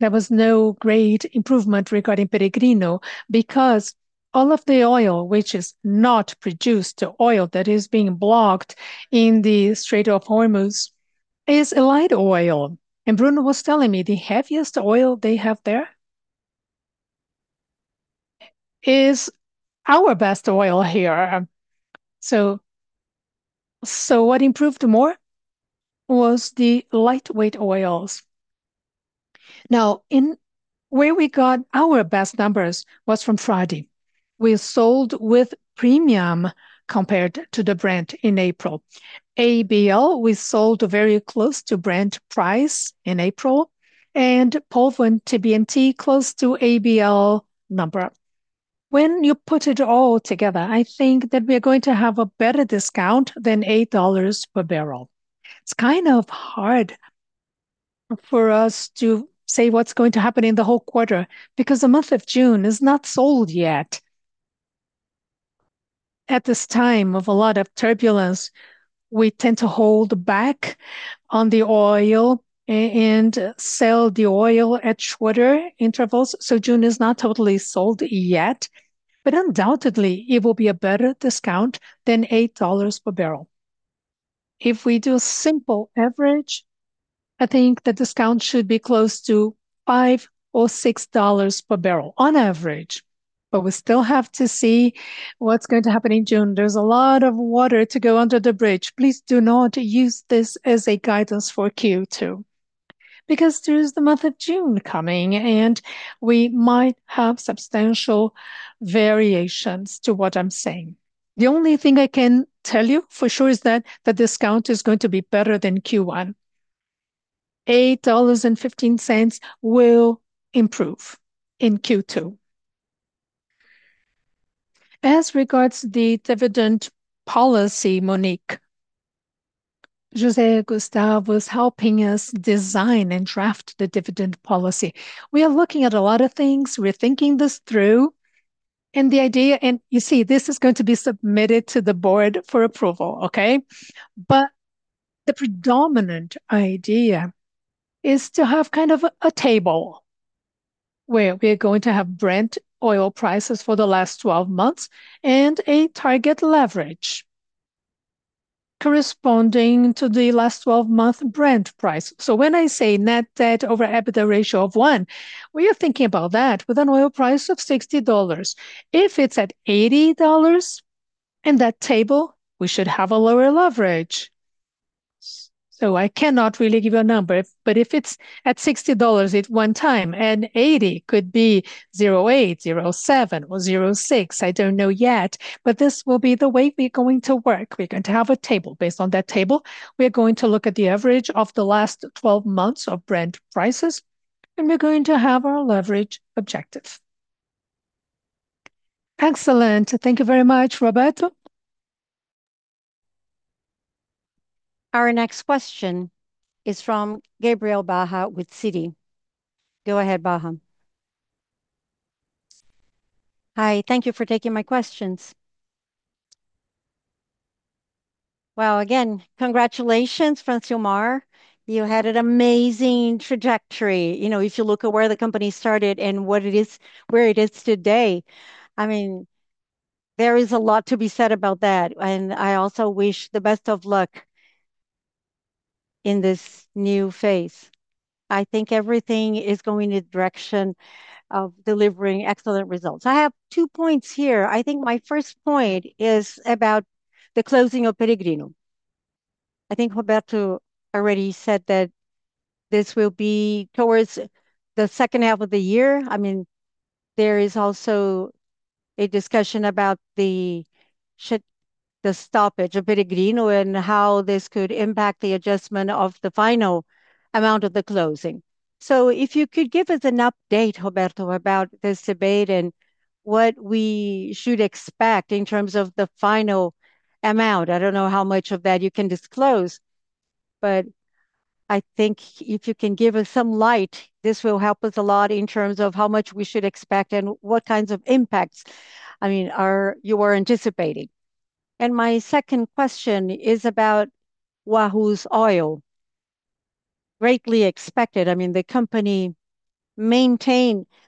D: There was no great improvement regarding Peregrino because all of the oil which is not produced, the oil that is being blocked in the Strait of Hormuz is a light oil. Bruno was telling me the heaviest oil they have there is our best oil here. What improved more was the lightweight oils. Now, in where we got our best numbers was from Friday. We sold with premium compared to the Brent in April. ABL, we sold very close to Brent price in April, and Polvo and TBMT close to ABL number. When you put it all together, I think that we are going to have a better discount than $8 per barrel. It's kind of hard for us to say what's going to happen in the whole quarter because the month of June is not sold yet. At this time of a lot of turbulence, we tend to hold back on the oil and sell the oil at shorter intervals. June is not totally sold yet. Undoubtedly it will be a better discount than $8 per barrel. If we do simple average, I think the discount should be close to $5 or $6 per barrel on average. We still have to see what's going to happen in June. There's a lot of water to go under the bridge. Please do not use this as a guidance for Q2 because there is the month of June coming. We might have substantial variations to what I'm saying. The only thing I can tell you for sure is that the discount is going to be better than Q1. $8.15 will improve in Q2.
B: As regards the dividend policy, Monique, José Gustavo is helping us design and draft the dividend policy. We are looking at a lot of things. We are thinking this through. This is going to be submitted to the board for approval, okay? The predominant idea is to have kind of a table where we are going to have Brent oil prices for the last 12 months and a target leverage corresponding to the last 12-month Brent price. When I say net debt over EBITDA ratio of one, we are thinking about that with an oil price of $60. If it is at $80 in that table, we should have a lower leverage. I cannot really give you a number. If it is at $60 at one time and 80 could be 0.8, 0.7 or 0.6. I don't know yet, but this will be the way we're going to work. We're going to have a table. Based on that table, we are going to look at the average of the last 12 months of Brent prices, and we're going to have our leverage objective.
F: Excellent. Thank you very much. Roberto.
A: Our next question is from Gabriel Barra with Citi. Go ahead, Barra.
G: Hi, thank you for taking my questions. Well, again, congratulations, Francilmar. You had an amazing trajectory. You know, if you look at where the company started and what it is, where it is today, I mean, there is a lot to be said about that. I also wish the best of luck in this new phase. I think everything is going in the direction of delivering excellent results. I have two points here. I think my first point is about the closing of Peregrino. I think Roberto already said that this will be towards the second half of the year. I mean, there is also a discussion about the stoppage of Peregrino and how this could impact the adjustment of the final amount of the closing. If you could give us an update, Roberto, about this debate and what we should expect in terms of the final amount. I don't know how much of that you can disclose, but I think if you can give us some light, this will help us a lot in terms of how much we should expect and what kinds of impacts, I mean, are you anticipating. My second question is about Wahoo's oil. Greatly expected. I mean, the company-Maintain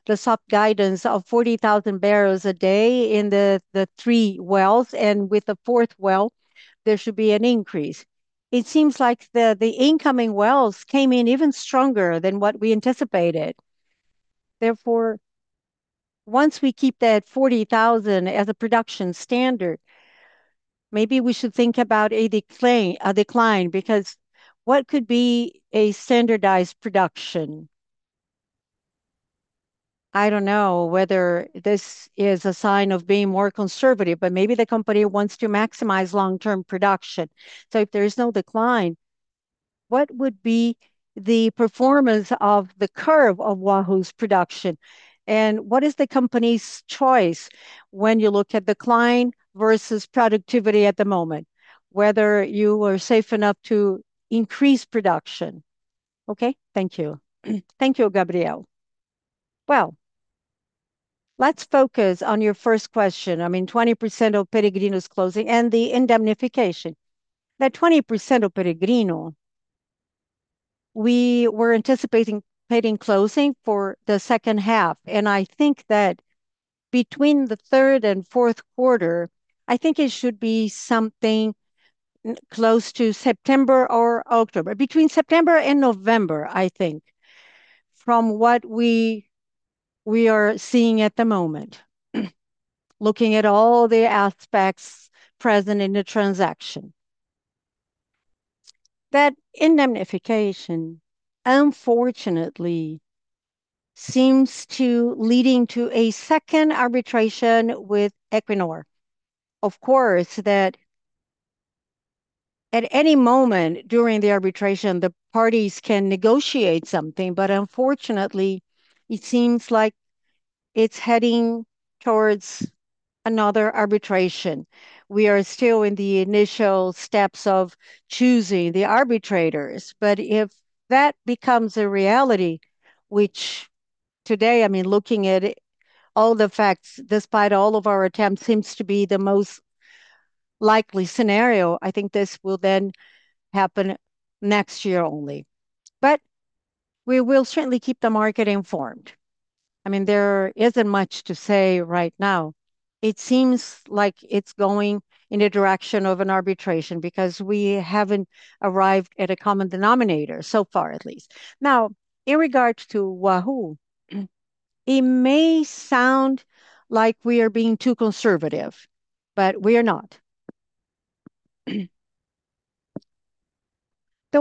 G: the soft guidance of 40,000bbl a day in the three wells, and with the fourth well, there should be an increase. It seems like the incoming wells came in even stronger than what we anticipated. Once we keep that 40,000 as a production standard, maybe we should think about a decline, because what could be a standardized production? I don't know whether this is a sign of being more conservative, but maybe the company wants to maximize long-term production. If there is no decline, what would be the performance of the curve of Wahoo's production, and what is the company's choice when you look at decline versus productivity at the moment, whether you are safe enough to increase production? Okay. Thank you.
B: Thank you, Gabriel. Well, let's focus on your first question. I mean, 20% of Peregrino's closing and the indemnification. That 20% of Peregrino, we were anticipating paying closing for the second half, and I think that between the third and fourth quarter, I think it should be something close to September or October. Between September and November, I think, from what we are seeing at the moment, looking at all the aspects present in the transaction. That indemnification, unfortunately, seems to leading to a second arbitration with Equinor. Unfortunately, at any moment during the arbitration, the parties can negotiate something, but unfortunately, it seems like it's heading towards another arbitration. We are still in the initial steps of choosing the arbitrators. If that becomes a reality, which today, I mean, looking at it, all the facts, despite all of our attempts, seems to be the most likely scenario, I think this will then happen next year only. We will certainly keep the market informed. I mean, there isn't much to say right now. It seems like it's going in a direction of an arbitration because we haven't arrived at a common denominator, so far at least. In regards to Wahoo, it may sound like we are being too conservative, but we are not. The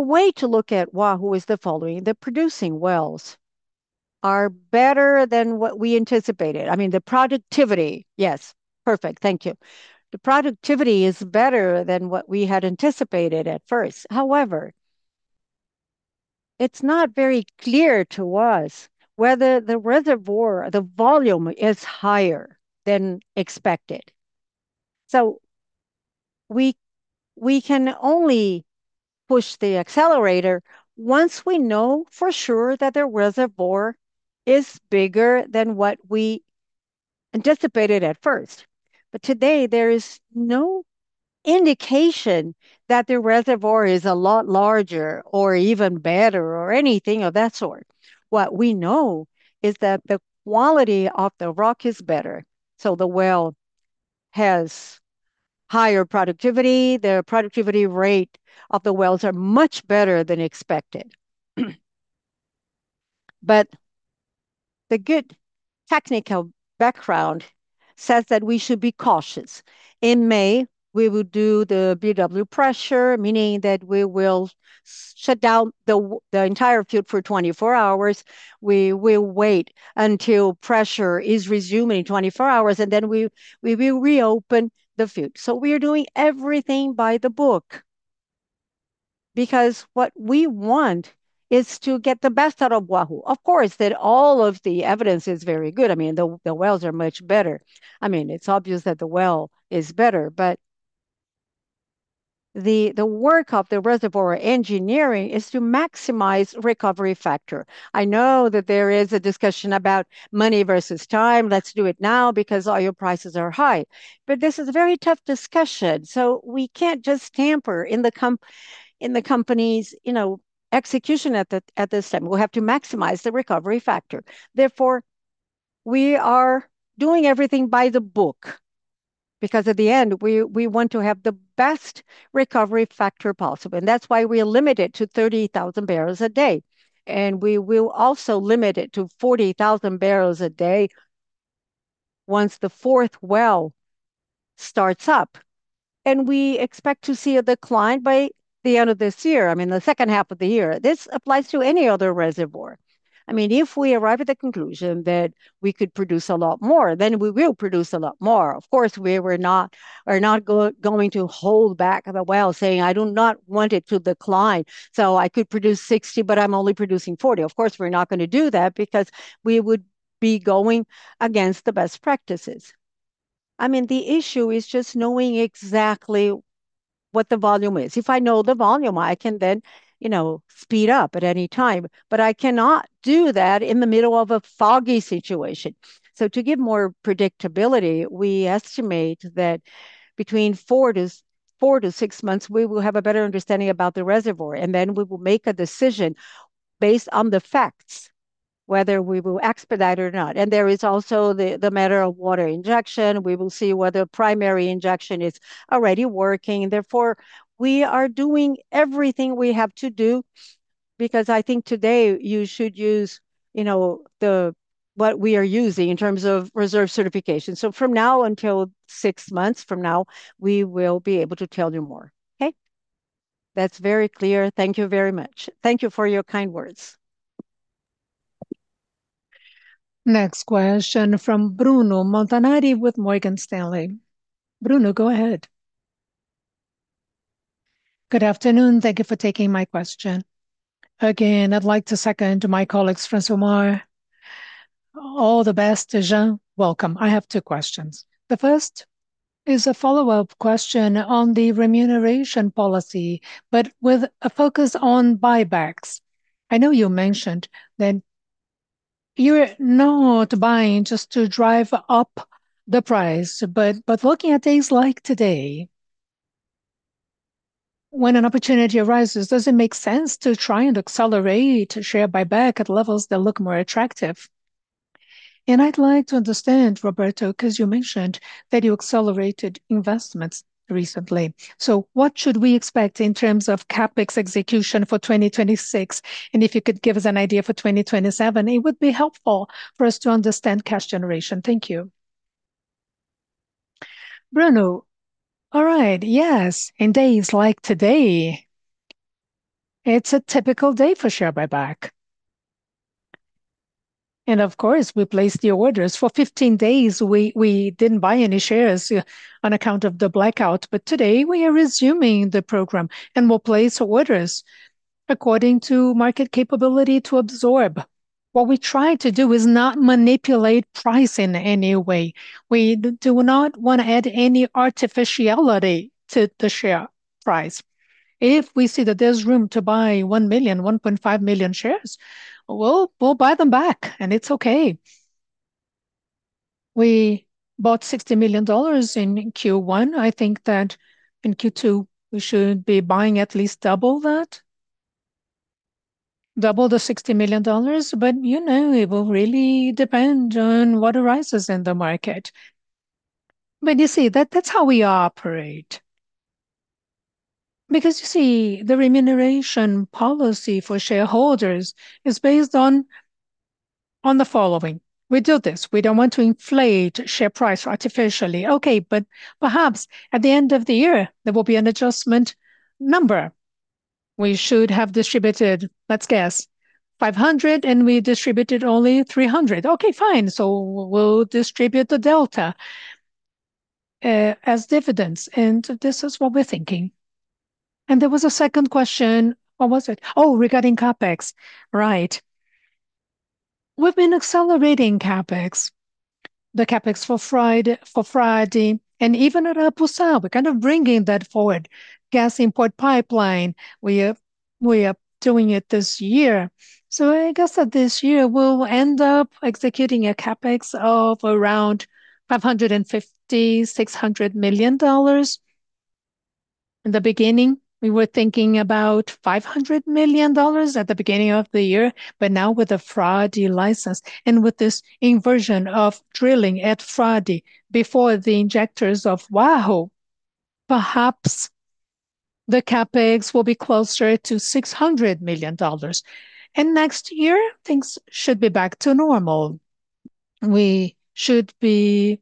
B: way to look at Wahoo is the following: The producing wells are better than what we anticipated. I mean, the productivity Yes. Perfect. Thank you. The productivity is better than what we had anticipated at first. It's not very clear to us whether the reservoir, the volume is higher than expected. We, we can only push the accelerator once we know for sure that the reservoir is bigger than what we anticipated at first. Today, there is no indication that the reservoir is a lot larger or even better or anything of that sort. What we know is that the quality of the rock is better, so the well has higher productivity. The productivity rate of the wells are much better than expected. The good technical background says that we should be cautious. In May, we will do the buildup pressure, meaning that we will shut down the entire field for 24 hours. We will wait until pressure is resuming 24 hours, and then we will reopen the field. We are doing everything by the book because what we want is to get the best out of Wahoo. Of course, that all of the evidence is very good. I mean, the wells are much better. I mean, it's obvious that the well is better, but the work of the reservoir engineering is to maximize recovery factor. I know that there is a discussion about money versus time. Let's do it now because oil prices are high. This is a very tough discussion, so we can't just tamper in the company's, you know, execution at this time. We'll have to maximize the recovery factor. Therefore, we are doing everything by the book because at the end, we want to have the best recovery factor possible, and that's why we are limited to 30,000bbl a day, and we will also limit it to 40,000bbl a day once the fourth well starts up, and we expect to see a decline by the end of this year, I mean, the second half of the year. This applies to any other reservoir. I mean, if we arrive at the conclusion that we could produce a lot more, then we will produce a lot more. We were not, are not going to hold back of a well, saying, "I do not want it to decline, so I could produce 60, but I'm only producing 40." We're not gonna do that because we would be going against the best practices. I mean, the issue is just knowing exactly what the volume is. If I know the volume, I can then, you know, speed up at any time, but I cannot do that in the middle of a foggy situation. To give more predictability, we estimate that between four to six months, we will have a better understanding about the reservoir, and then we will make a decision based on the facts whether we will expedite or not. There is also the matter of water injection. We will see whether primary injection is already working. We are doing everything we have to do because I think today you should use, you know, what we are using in terms of reserve certification. From now until six months from now, we will be able to tell you more.
G: Okay. That's very clear. Thank you very much. Thank you for your kind words.
A: Next question from Bruno Montanari with Morgan Stanley. Bruno, go ahead.
H: Good afternoon. Thank you for taking my question. Again, I'd like to second to my colleagues, Francilmar. All the best to Jean. Welcome. I have two questions. The first is a follow-up question on the remuneration policy, with a focus on buybacks. I know you mentioned that you're not buying just to drive up the price. Looking at days like today, when an opportunity arises, does it make sense to try and accelerate a share buyback at levels that look more attractive? I'd like to understand, Roberto, 'cause you mentioned that you accelerated investments recently. What should we expect in terms of CapEx execution for 2026? If you could give us an idea for 2027, it would be helpful for us to understand cash generation. Thank you.
B: Bruno. All right. Yes, in days like today, it's a typical day for share buyback. Of course, we place the orders. For 15 days, we didn't buy any shares on account of the blackout. Today we are resuming the program. We'll place orders according to market capability to absorb. What we try to do is not manipulate pricing in any way. We do not want to add any artificiality to the share price. If we see that there's room to buy 1 million, 1.5 million shares, we'll buy them back. It's okay. We bought $60 million in Q1. I think that in Q2 we should be buying at least double that, double the $60 million. You know, it will really depend on what arises in the market. You see, that's how we operate. You see, the remuneration policy for shareholders is based on the following. We build this. We don't want to inflate share price artificially. Okay, perhaps at the end of the year, there will be an adjustment number. We should have distributed, let's guess, $500, and we distributed only $300. Okay, fine, we'll distribute the delta as dividends, this is what we're thinking. There was a second question. What was it? Regarding CapEx. Right. We've been accelerating CapEx. The CapEx for Frade, even at Arapuça, we're kind of bringing that forward. Gas Import pipeline, we are doing it this year. I guess that this year we'll end up executing a CapEx of around $550 million-$600 million. In the beginning, we were thinking about $500 million at the beginning of the year. Now with the Frade license, with this inversion of drilling at Frade before the injectors of Wahoo, perhaps the CapEx will be closer to $600 million. Next year things should be back to normal. We should be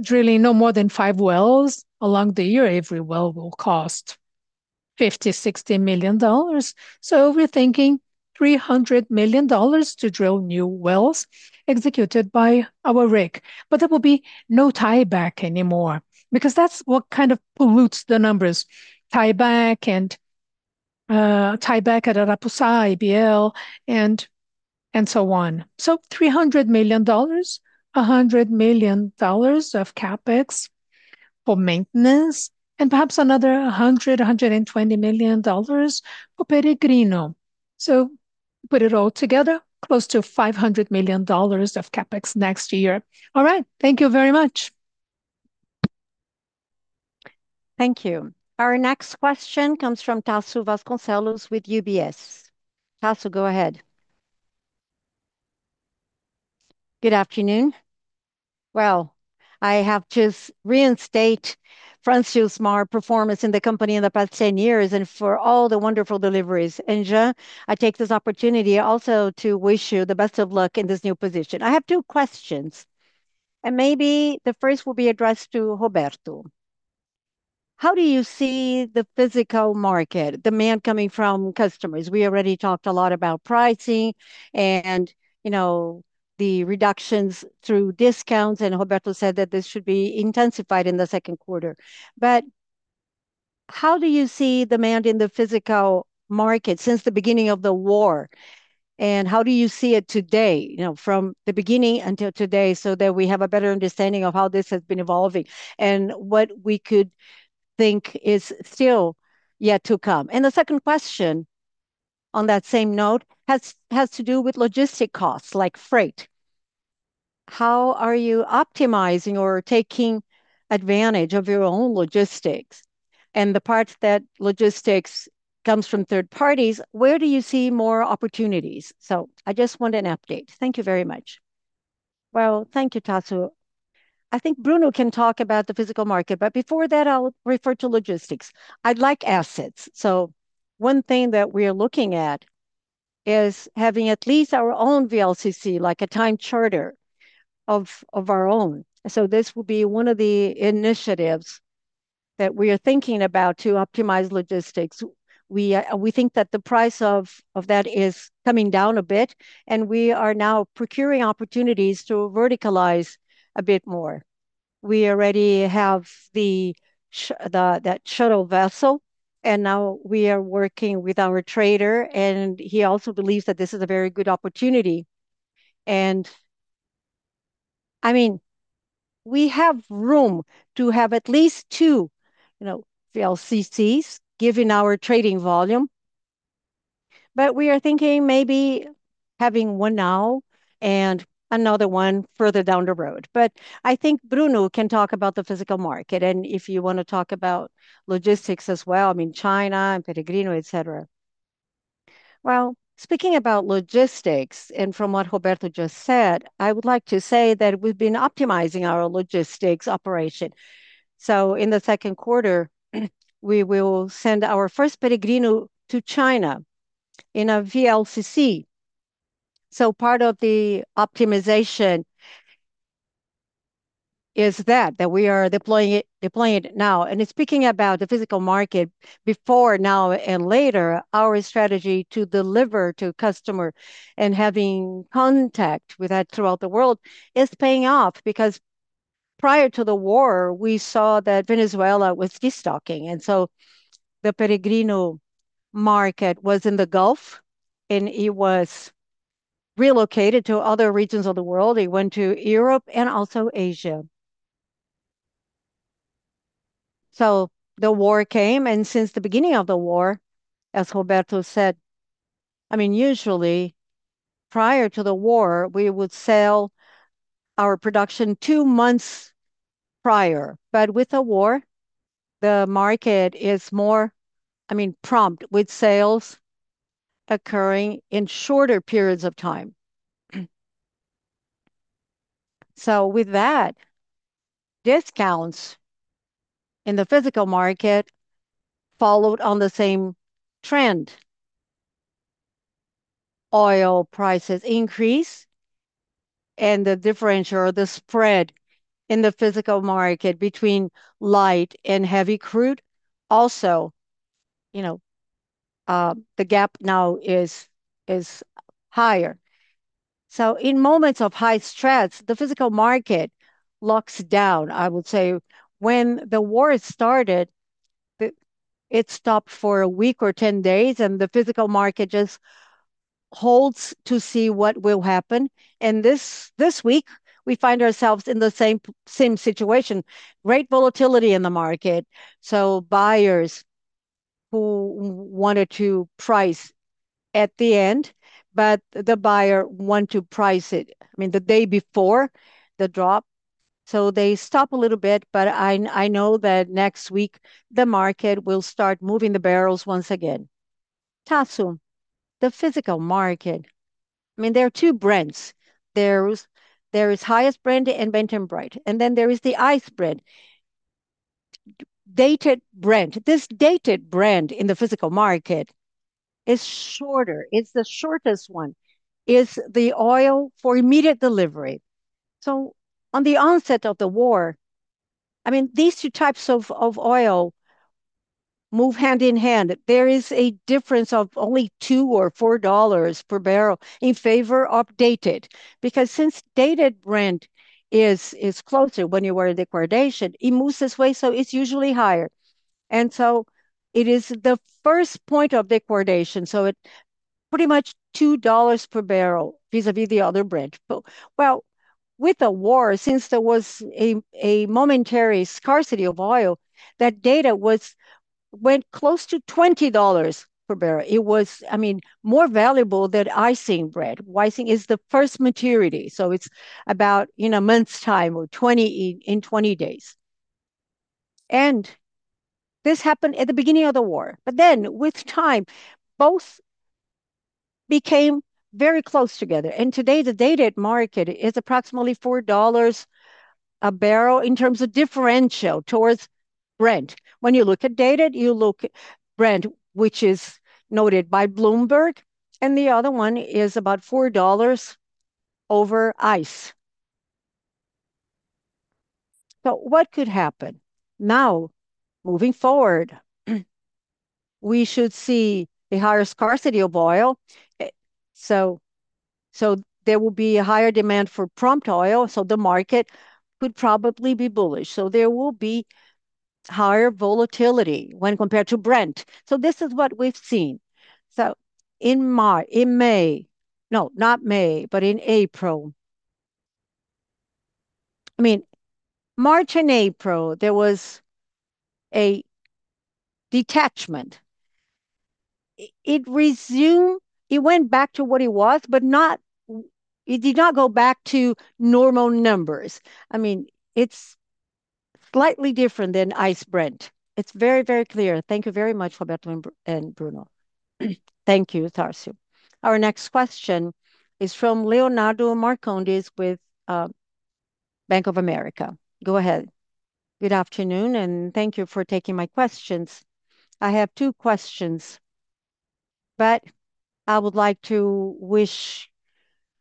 B: drilling no more than five wells along the year. Every well will cost $50, $60 million. We're thinking $300 million to drill new wells executed by our rig. There will be no tieback anymore, because that's what kind of pollutes the numbers. Tieback and tieback at Arapuça, ABL, and so on. $300 million, $100 million of CapEx for maintenance, and perhaps another $100, $120 million for Peregrino. Put it all together, close to $500 million of CapEx next year.
H: All right. Thank you very much.
A: Thank you. Our next question comes from Tasso Vasconcellos with UBS. Tasso, go ahead.
I: Good afternoon. Well, I have to reinstate Francilmar performance in the company in the past 10 years, for all the wonderful deliveries. Jean, I take this opportunity also to wish you the best of luck in this new position. I have two questions. Maybe the first will be addressed to Roberto. How do you see the physical market, demand coming from customers? We already talked a lot about pricing, you know, the reductions through discounts. Roberto said that this should be intensified in the second quarter. How do you see demand in the physical market since the beginning of the war, and how do you see it today, you know, from the beginning until today, so that we have a better understanding of how this has been evolving and what we could think is still yet to come? The second question on that same note has to do with logistic costs, like freight. How are you optimizing or taking advantage of your own logistics? The parts that logistics comes from third parties, where do you see more opportunities? I just want an update.
B: Thank you very much. Thank you, Tasso. I think Bruno can talk about the physical market, but before that I'll refer to logistics. I'd like assets, one thing that we're looking at is having at least our own VLCC, like a time charter of our own. This will be one of the initiatives that we are thinking about to optimize logistics. We think that the price of that is coming down a bit, and we are now procuring opportunities to verticalize a bit more. We already have the shuttle vessel, and now we are working with our trader, and he also believes that this is a very good opportunity. I mean, we have room to have at least two, you know, VLCCs given our trading volume. We are thinking maybe having one now and another one further down the road. I think Bruno can talk about the physical market, and if you wanna talk about logistics as well, I mean, China and Peregrino, et cetera.
J: Well, speaking about logistics, from what Roberto just said, I would like to say that we've been optimizing our logistics operation. In the second quarter, we will send our first Peregrino to China in a VLCC. Part of the optimization is that we are deploying it now. In speaking about the physical market before, now, and later, our strategy to deliver to customer and having contact with that throughout the world is paying off because prior to the war we saw that Venezuela was de-stocking. The Peregrino market was in the Gulf, and it was relocated to other regions of the world. It went to Europe and also Asia. The war came, and since the beginning of the war, as Roberto said, I mean, usually prior to the war, we would sell our production two months Prior. With the war, the market is more, I mean, prompt with sales occurring in shorter periods of time. With that, discounts in the physical market followed on the same trend. Oil prices increase, and the differential or the spread in the physical market between light and heavy crude also, you know, the gap now is higher. In moments of high stress, the physical market locks down, I would say. When the war has started, it stopped for a week or 10 days, and the physical market just holds to see what will happen. This week we find ourselves in the same situation, great volatility in the market. Buyers who wanted to price at the end, but the buyer want to price it, I mean, the day before the drop, so they stop a little bit, but I know that next week the market will start moving the barrels once again. Tasso, the physical market, I mean, there are two Brents. There is Dated Brent in Brent, and then there is the ICE Brent. Dated Brent. This Dated Brent in the physical market is shorter. It's the shortest one, is the oil for immediate delivery. On the onset of the war, I mean, these two types of oil move hand-in-hand. There is a difference of only $2 or $4 per barrel in favor of Dated Brent because since Dated Brent is closer when you are in the contango, it moves this way, so it's usually higher. It is the first point of the contango, so it pretty much $2 per barrel vis-à-vis the other Brent. Well, with the war, since there was a momentary scarcity of oil, that Dated went close to $20 per barrel. It was, I mean, more valuable than ICE Brent. ICE is the first maturity, so it's about in 1 month's time or 20, in 20 days. This happened at the beginning of the war. Then with time both became very close together, and today the dated market is approximately $4 a barrel in terms of differential towards Brent. When you look at dated, you look Brent, which is noted by Bloomberg, and the other one is about $4 over ICE. What could happen? Now, moving forward, we should see a higher scarcity of oil. There will be a higher demand for prompt oil. The market could probably be bullish. There will be higher volatility when compared to Brent. This is what we've seen. In May. No, not May, but in April. I mean, March and April, there was a detachment. It resumed, it went back to what it was, but it did not go back to normal numbers. I mean, it's slightly different than ICE Brent.
I: It's very, very clear. Thank you very much, Roberto and Bruno.
A: Thank you, Tasso. Our next question is from Leonardo Marcondes with Bank of America. Go ahead.
K: Good afternoon, and thank you for taking my questions. I have two questions, but I would like to wish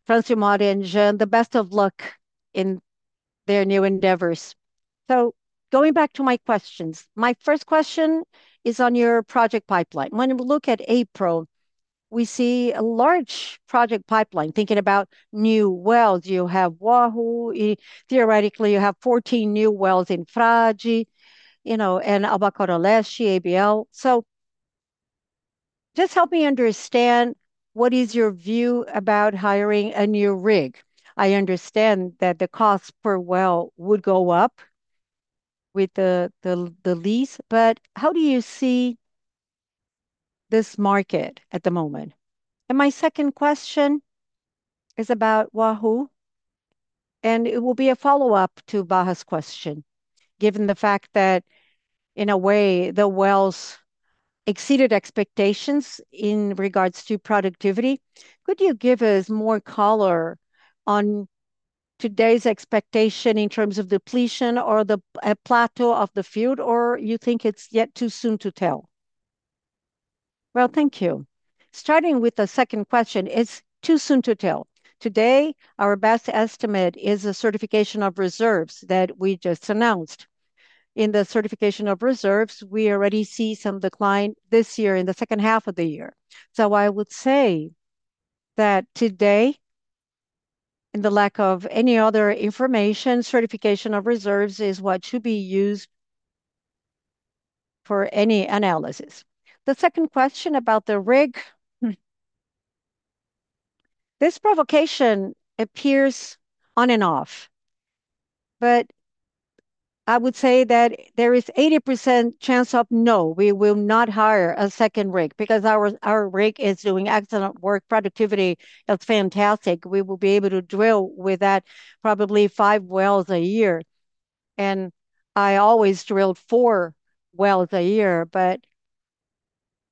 K: Francilmar and Jean the best of luck in their new endeavors. Going back to my questions, my first question is on your project pipeline. When we look at PRIO, we see a large project pipeline, thinking about new wells. You have Wahoo. Theoretically, you have 14 new wells in Frade, you know, and Albacora Leste, ABL. Just help me understand what is your view about hiring a new rig. I understand that the cost per well would go up with the lease, how do you see this market at the moment? My second question is about Wahoo, and it will be a follow-up to Barra's question. Given the fact that, in a way, the wells exceeded expectations in regards to productivity, could you give us more color on today's expectation in terms of depletion or the plateau of the field, or you think it's yet too soon to tell?
B: Well, thank you. Starting with the second question, it's too soon to tell. Today, our best estimate is a certification of reserves that we just announced. In the certification of reserves, we already see some decline this year in the second half of the year. I would say that today, in the lack of any other information, certification of reserves is what should be used for any analysis. The second question about the rig. This provocation appears on and off, but I would say that there is 80% chance of no, we will not hire a second rig because our rig is doing excellent work. Productivity is fantastic. We will be able to drill with that probably five wells a year, and I always drilled four wells a year, but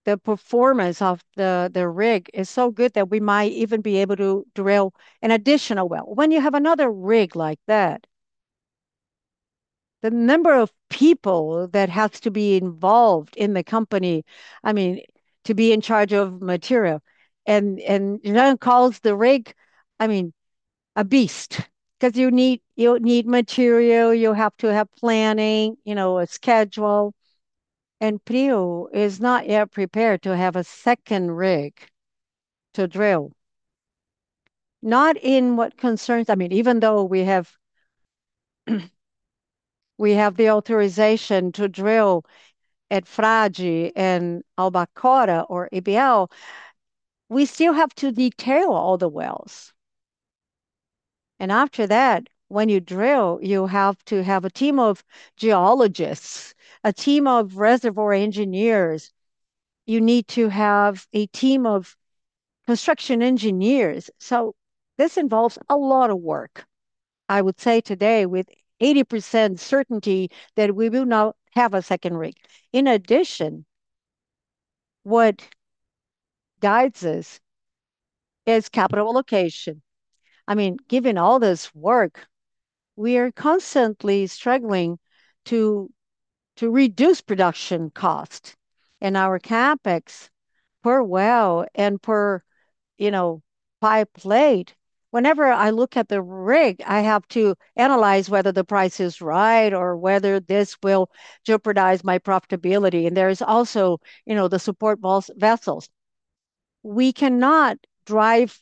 B: the performance of the rig is so good that we might even be able to drill an additional well. When you have another rig like that, the number of people that has to be involved in the company, I mean, to be in charge of material. Jean calls the rig, I mean, a beast ’cause you need, you need material, you have to have planning, you know, a schedule. PRIO is not yet prepared to have a second rig to drill. Not in what concerns, I mean, even though we have the authorization to drill at Frade and Albacora or ABL, we still have to detail all the wells. After that, when you drill, you have to have a team of geologists, a team of reservoir engineers. You need to have a team of construction engineers. This involves a lot of work. I would say today with 80% certainty that we will not have a second rig. In addition, what guides us is capital allocation. I mean, given all this work, we are constantly struggling to reduce production cost and our CapEx per well and per, you know, pipelay. Whenever I look at the rig, I have to analyze whether the price is right or whether this will jeopardize my profitability, and there is also, you know, the support vessels. We cannot drive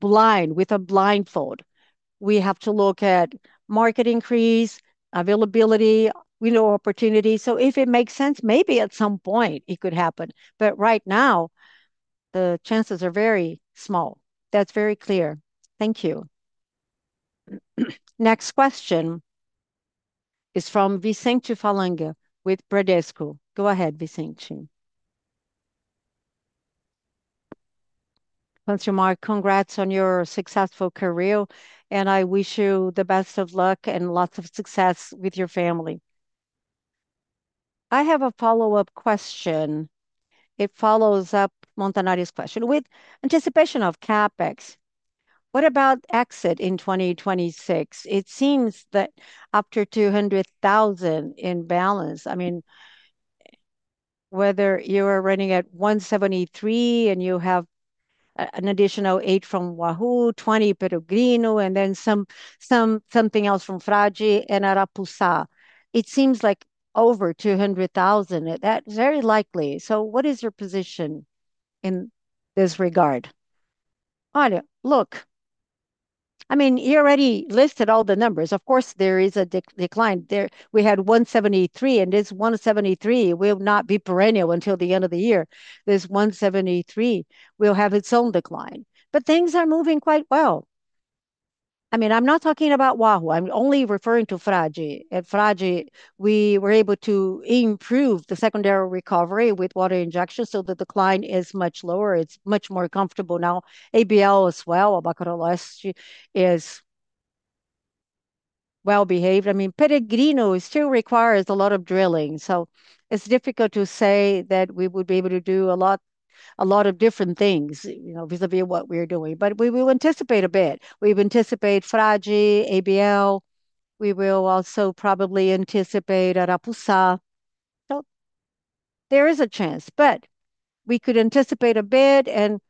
B: blind with a blindfold. We have to look at market increase, availability, window opportunity. If it makes sense, maybe at some point it could happen. Right now, the chances are very small.
K: That's very clear. Thank you.
A: Next question is from Vicente Falanga with Bradesco. Go ahead, Vicente.
L: Francilmar, congrats on your successful career, and I wish you the best of luck and lots of success with your family. I have a follow-up question. It follows up Montanari's question. With anticipation of CapEx, what about exit in 2026? It seems that after 200,000 in balance, I mean, whether you are running at 173 and you have a, an additional 8 from Wahoo, 20 Peregrino, and then something else from Frade and Arapuça. It seems like over 200,000. That very likely. What is your position in this regard?
B: I mean, you already listed all the numbers. Of course, there is a decline there. We had 173, and this 173 will not be perennial until the end of the year. This 173 will have its own decline. Things are moving quite well. I mean, I'm not talking about Wahoo. I'm only referring to Frade. At Frade, we were able to improve the secondary recovery with water injection so the decline is much lower. It's much more comfortable now. ABL as well, Albacora Leste, is well-behaved. I mean, Peregrino still requires a lot of drilling, so it's difficult to say that we would be able to do a lot of different things, you know, vis-à-vis what we're doing. We will anticipate a bit. We've anticipate Frade, ABL. We will also probably anticipate Arapuça. There is a chance, but we could anticipate a bit and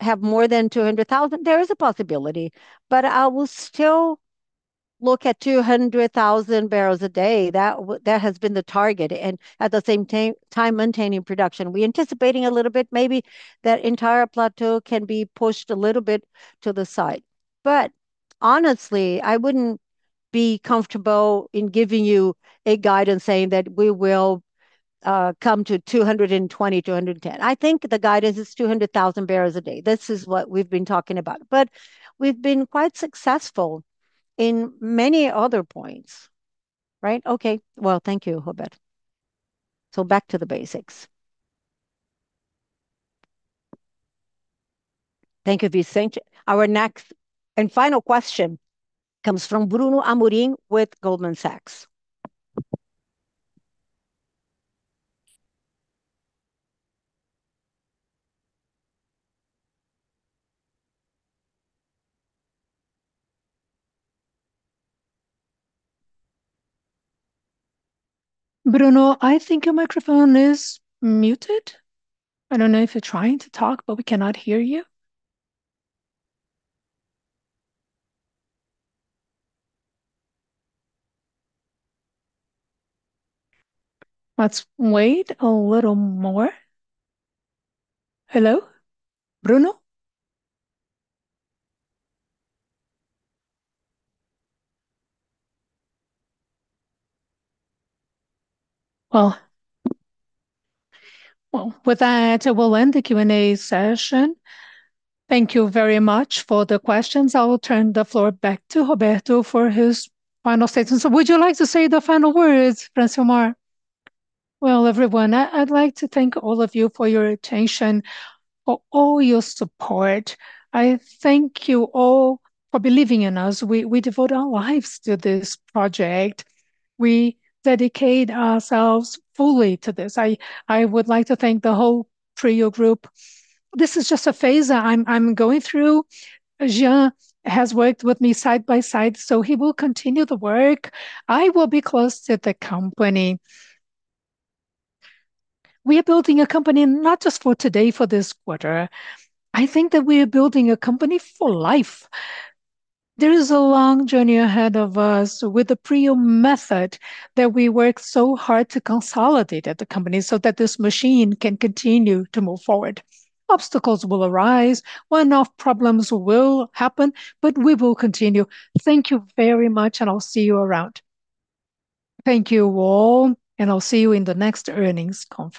B: have more than 200,000. There is a possibility, but I will still look at 200,000bbl a day. That has been the target, and at the same time maintaining production. We anticipating a little bit maybe that entire plateau can be pushed a little bit to the side. Honestly, I wouldn't be comfortable in giving you a guidance saying that we will come to 220, 210. I think the guidance is 200,000bbl a day. This is what we've been talking about. We've been quite successful in many other points, right?
L: Okay. Thank you, Roberto. Back to the basics.
A: Thank you, Vicente. Our next and final question comes from Bruno Amorim with Goldman Sachs. Bruno, I think your microphone is muted. I don't know if you're trying to talk, we cannot hear you. Let's wait a little more. Hello? Bruno? With that, we'll end the Q&A session. Thank you very much for the questions. I will turn the floor back to Roberto for his final statements.
B: Would you like to say the final words, Francilmar?
C: Well, everyone, I'd like to thank all of you for your attention, for all your support. I thank you all for believing in us. We devote our lives to this project. We dedicate ourselves fully to this. I would like to thank the whole PRIO group. This is just a phase I'm going through. Jean has worked with me side by side, so he will continue the work. I will be close to the company. We are building a company not just for today, for this quarter. I think that we are building a company for life. There is a long journey ahead of us with the PRIO method that we work so hard to consolidate at the company so that this machine can continue to move forward. Obstacles will arise, one-off problems will happen, but we will continue. Thank you very much, and I'll see you around.
B: Thank you, all, and I'll see you in the next earnings conference.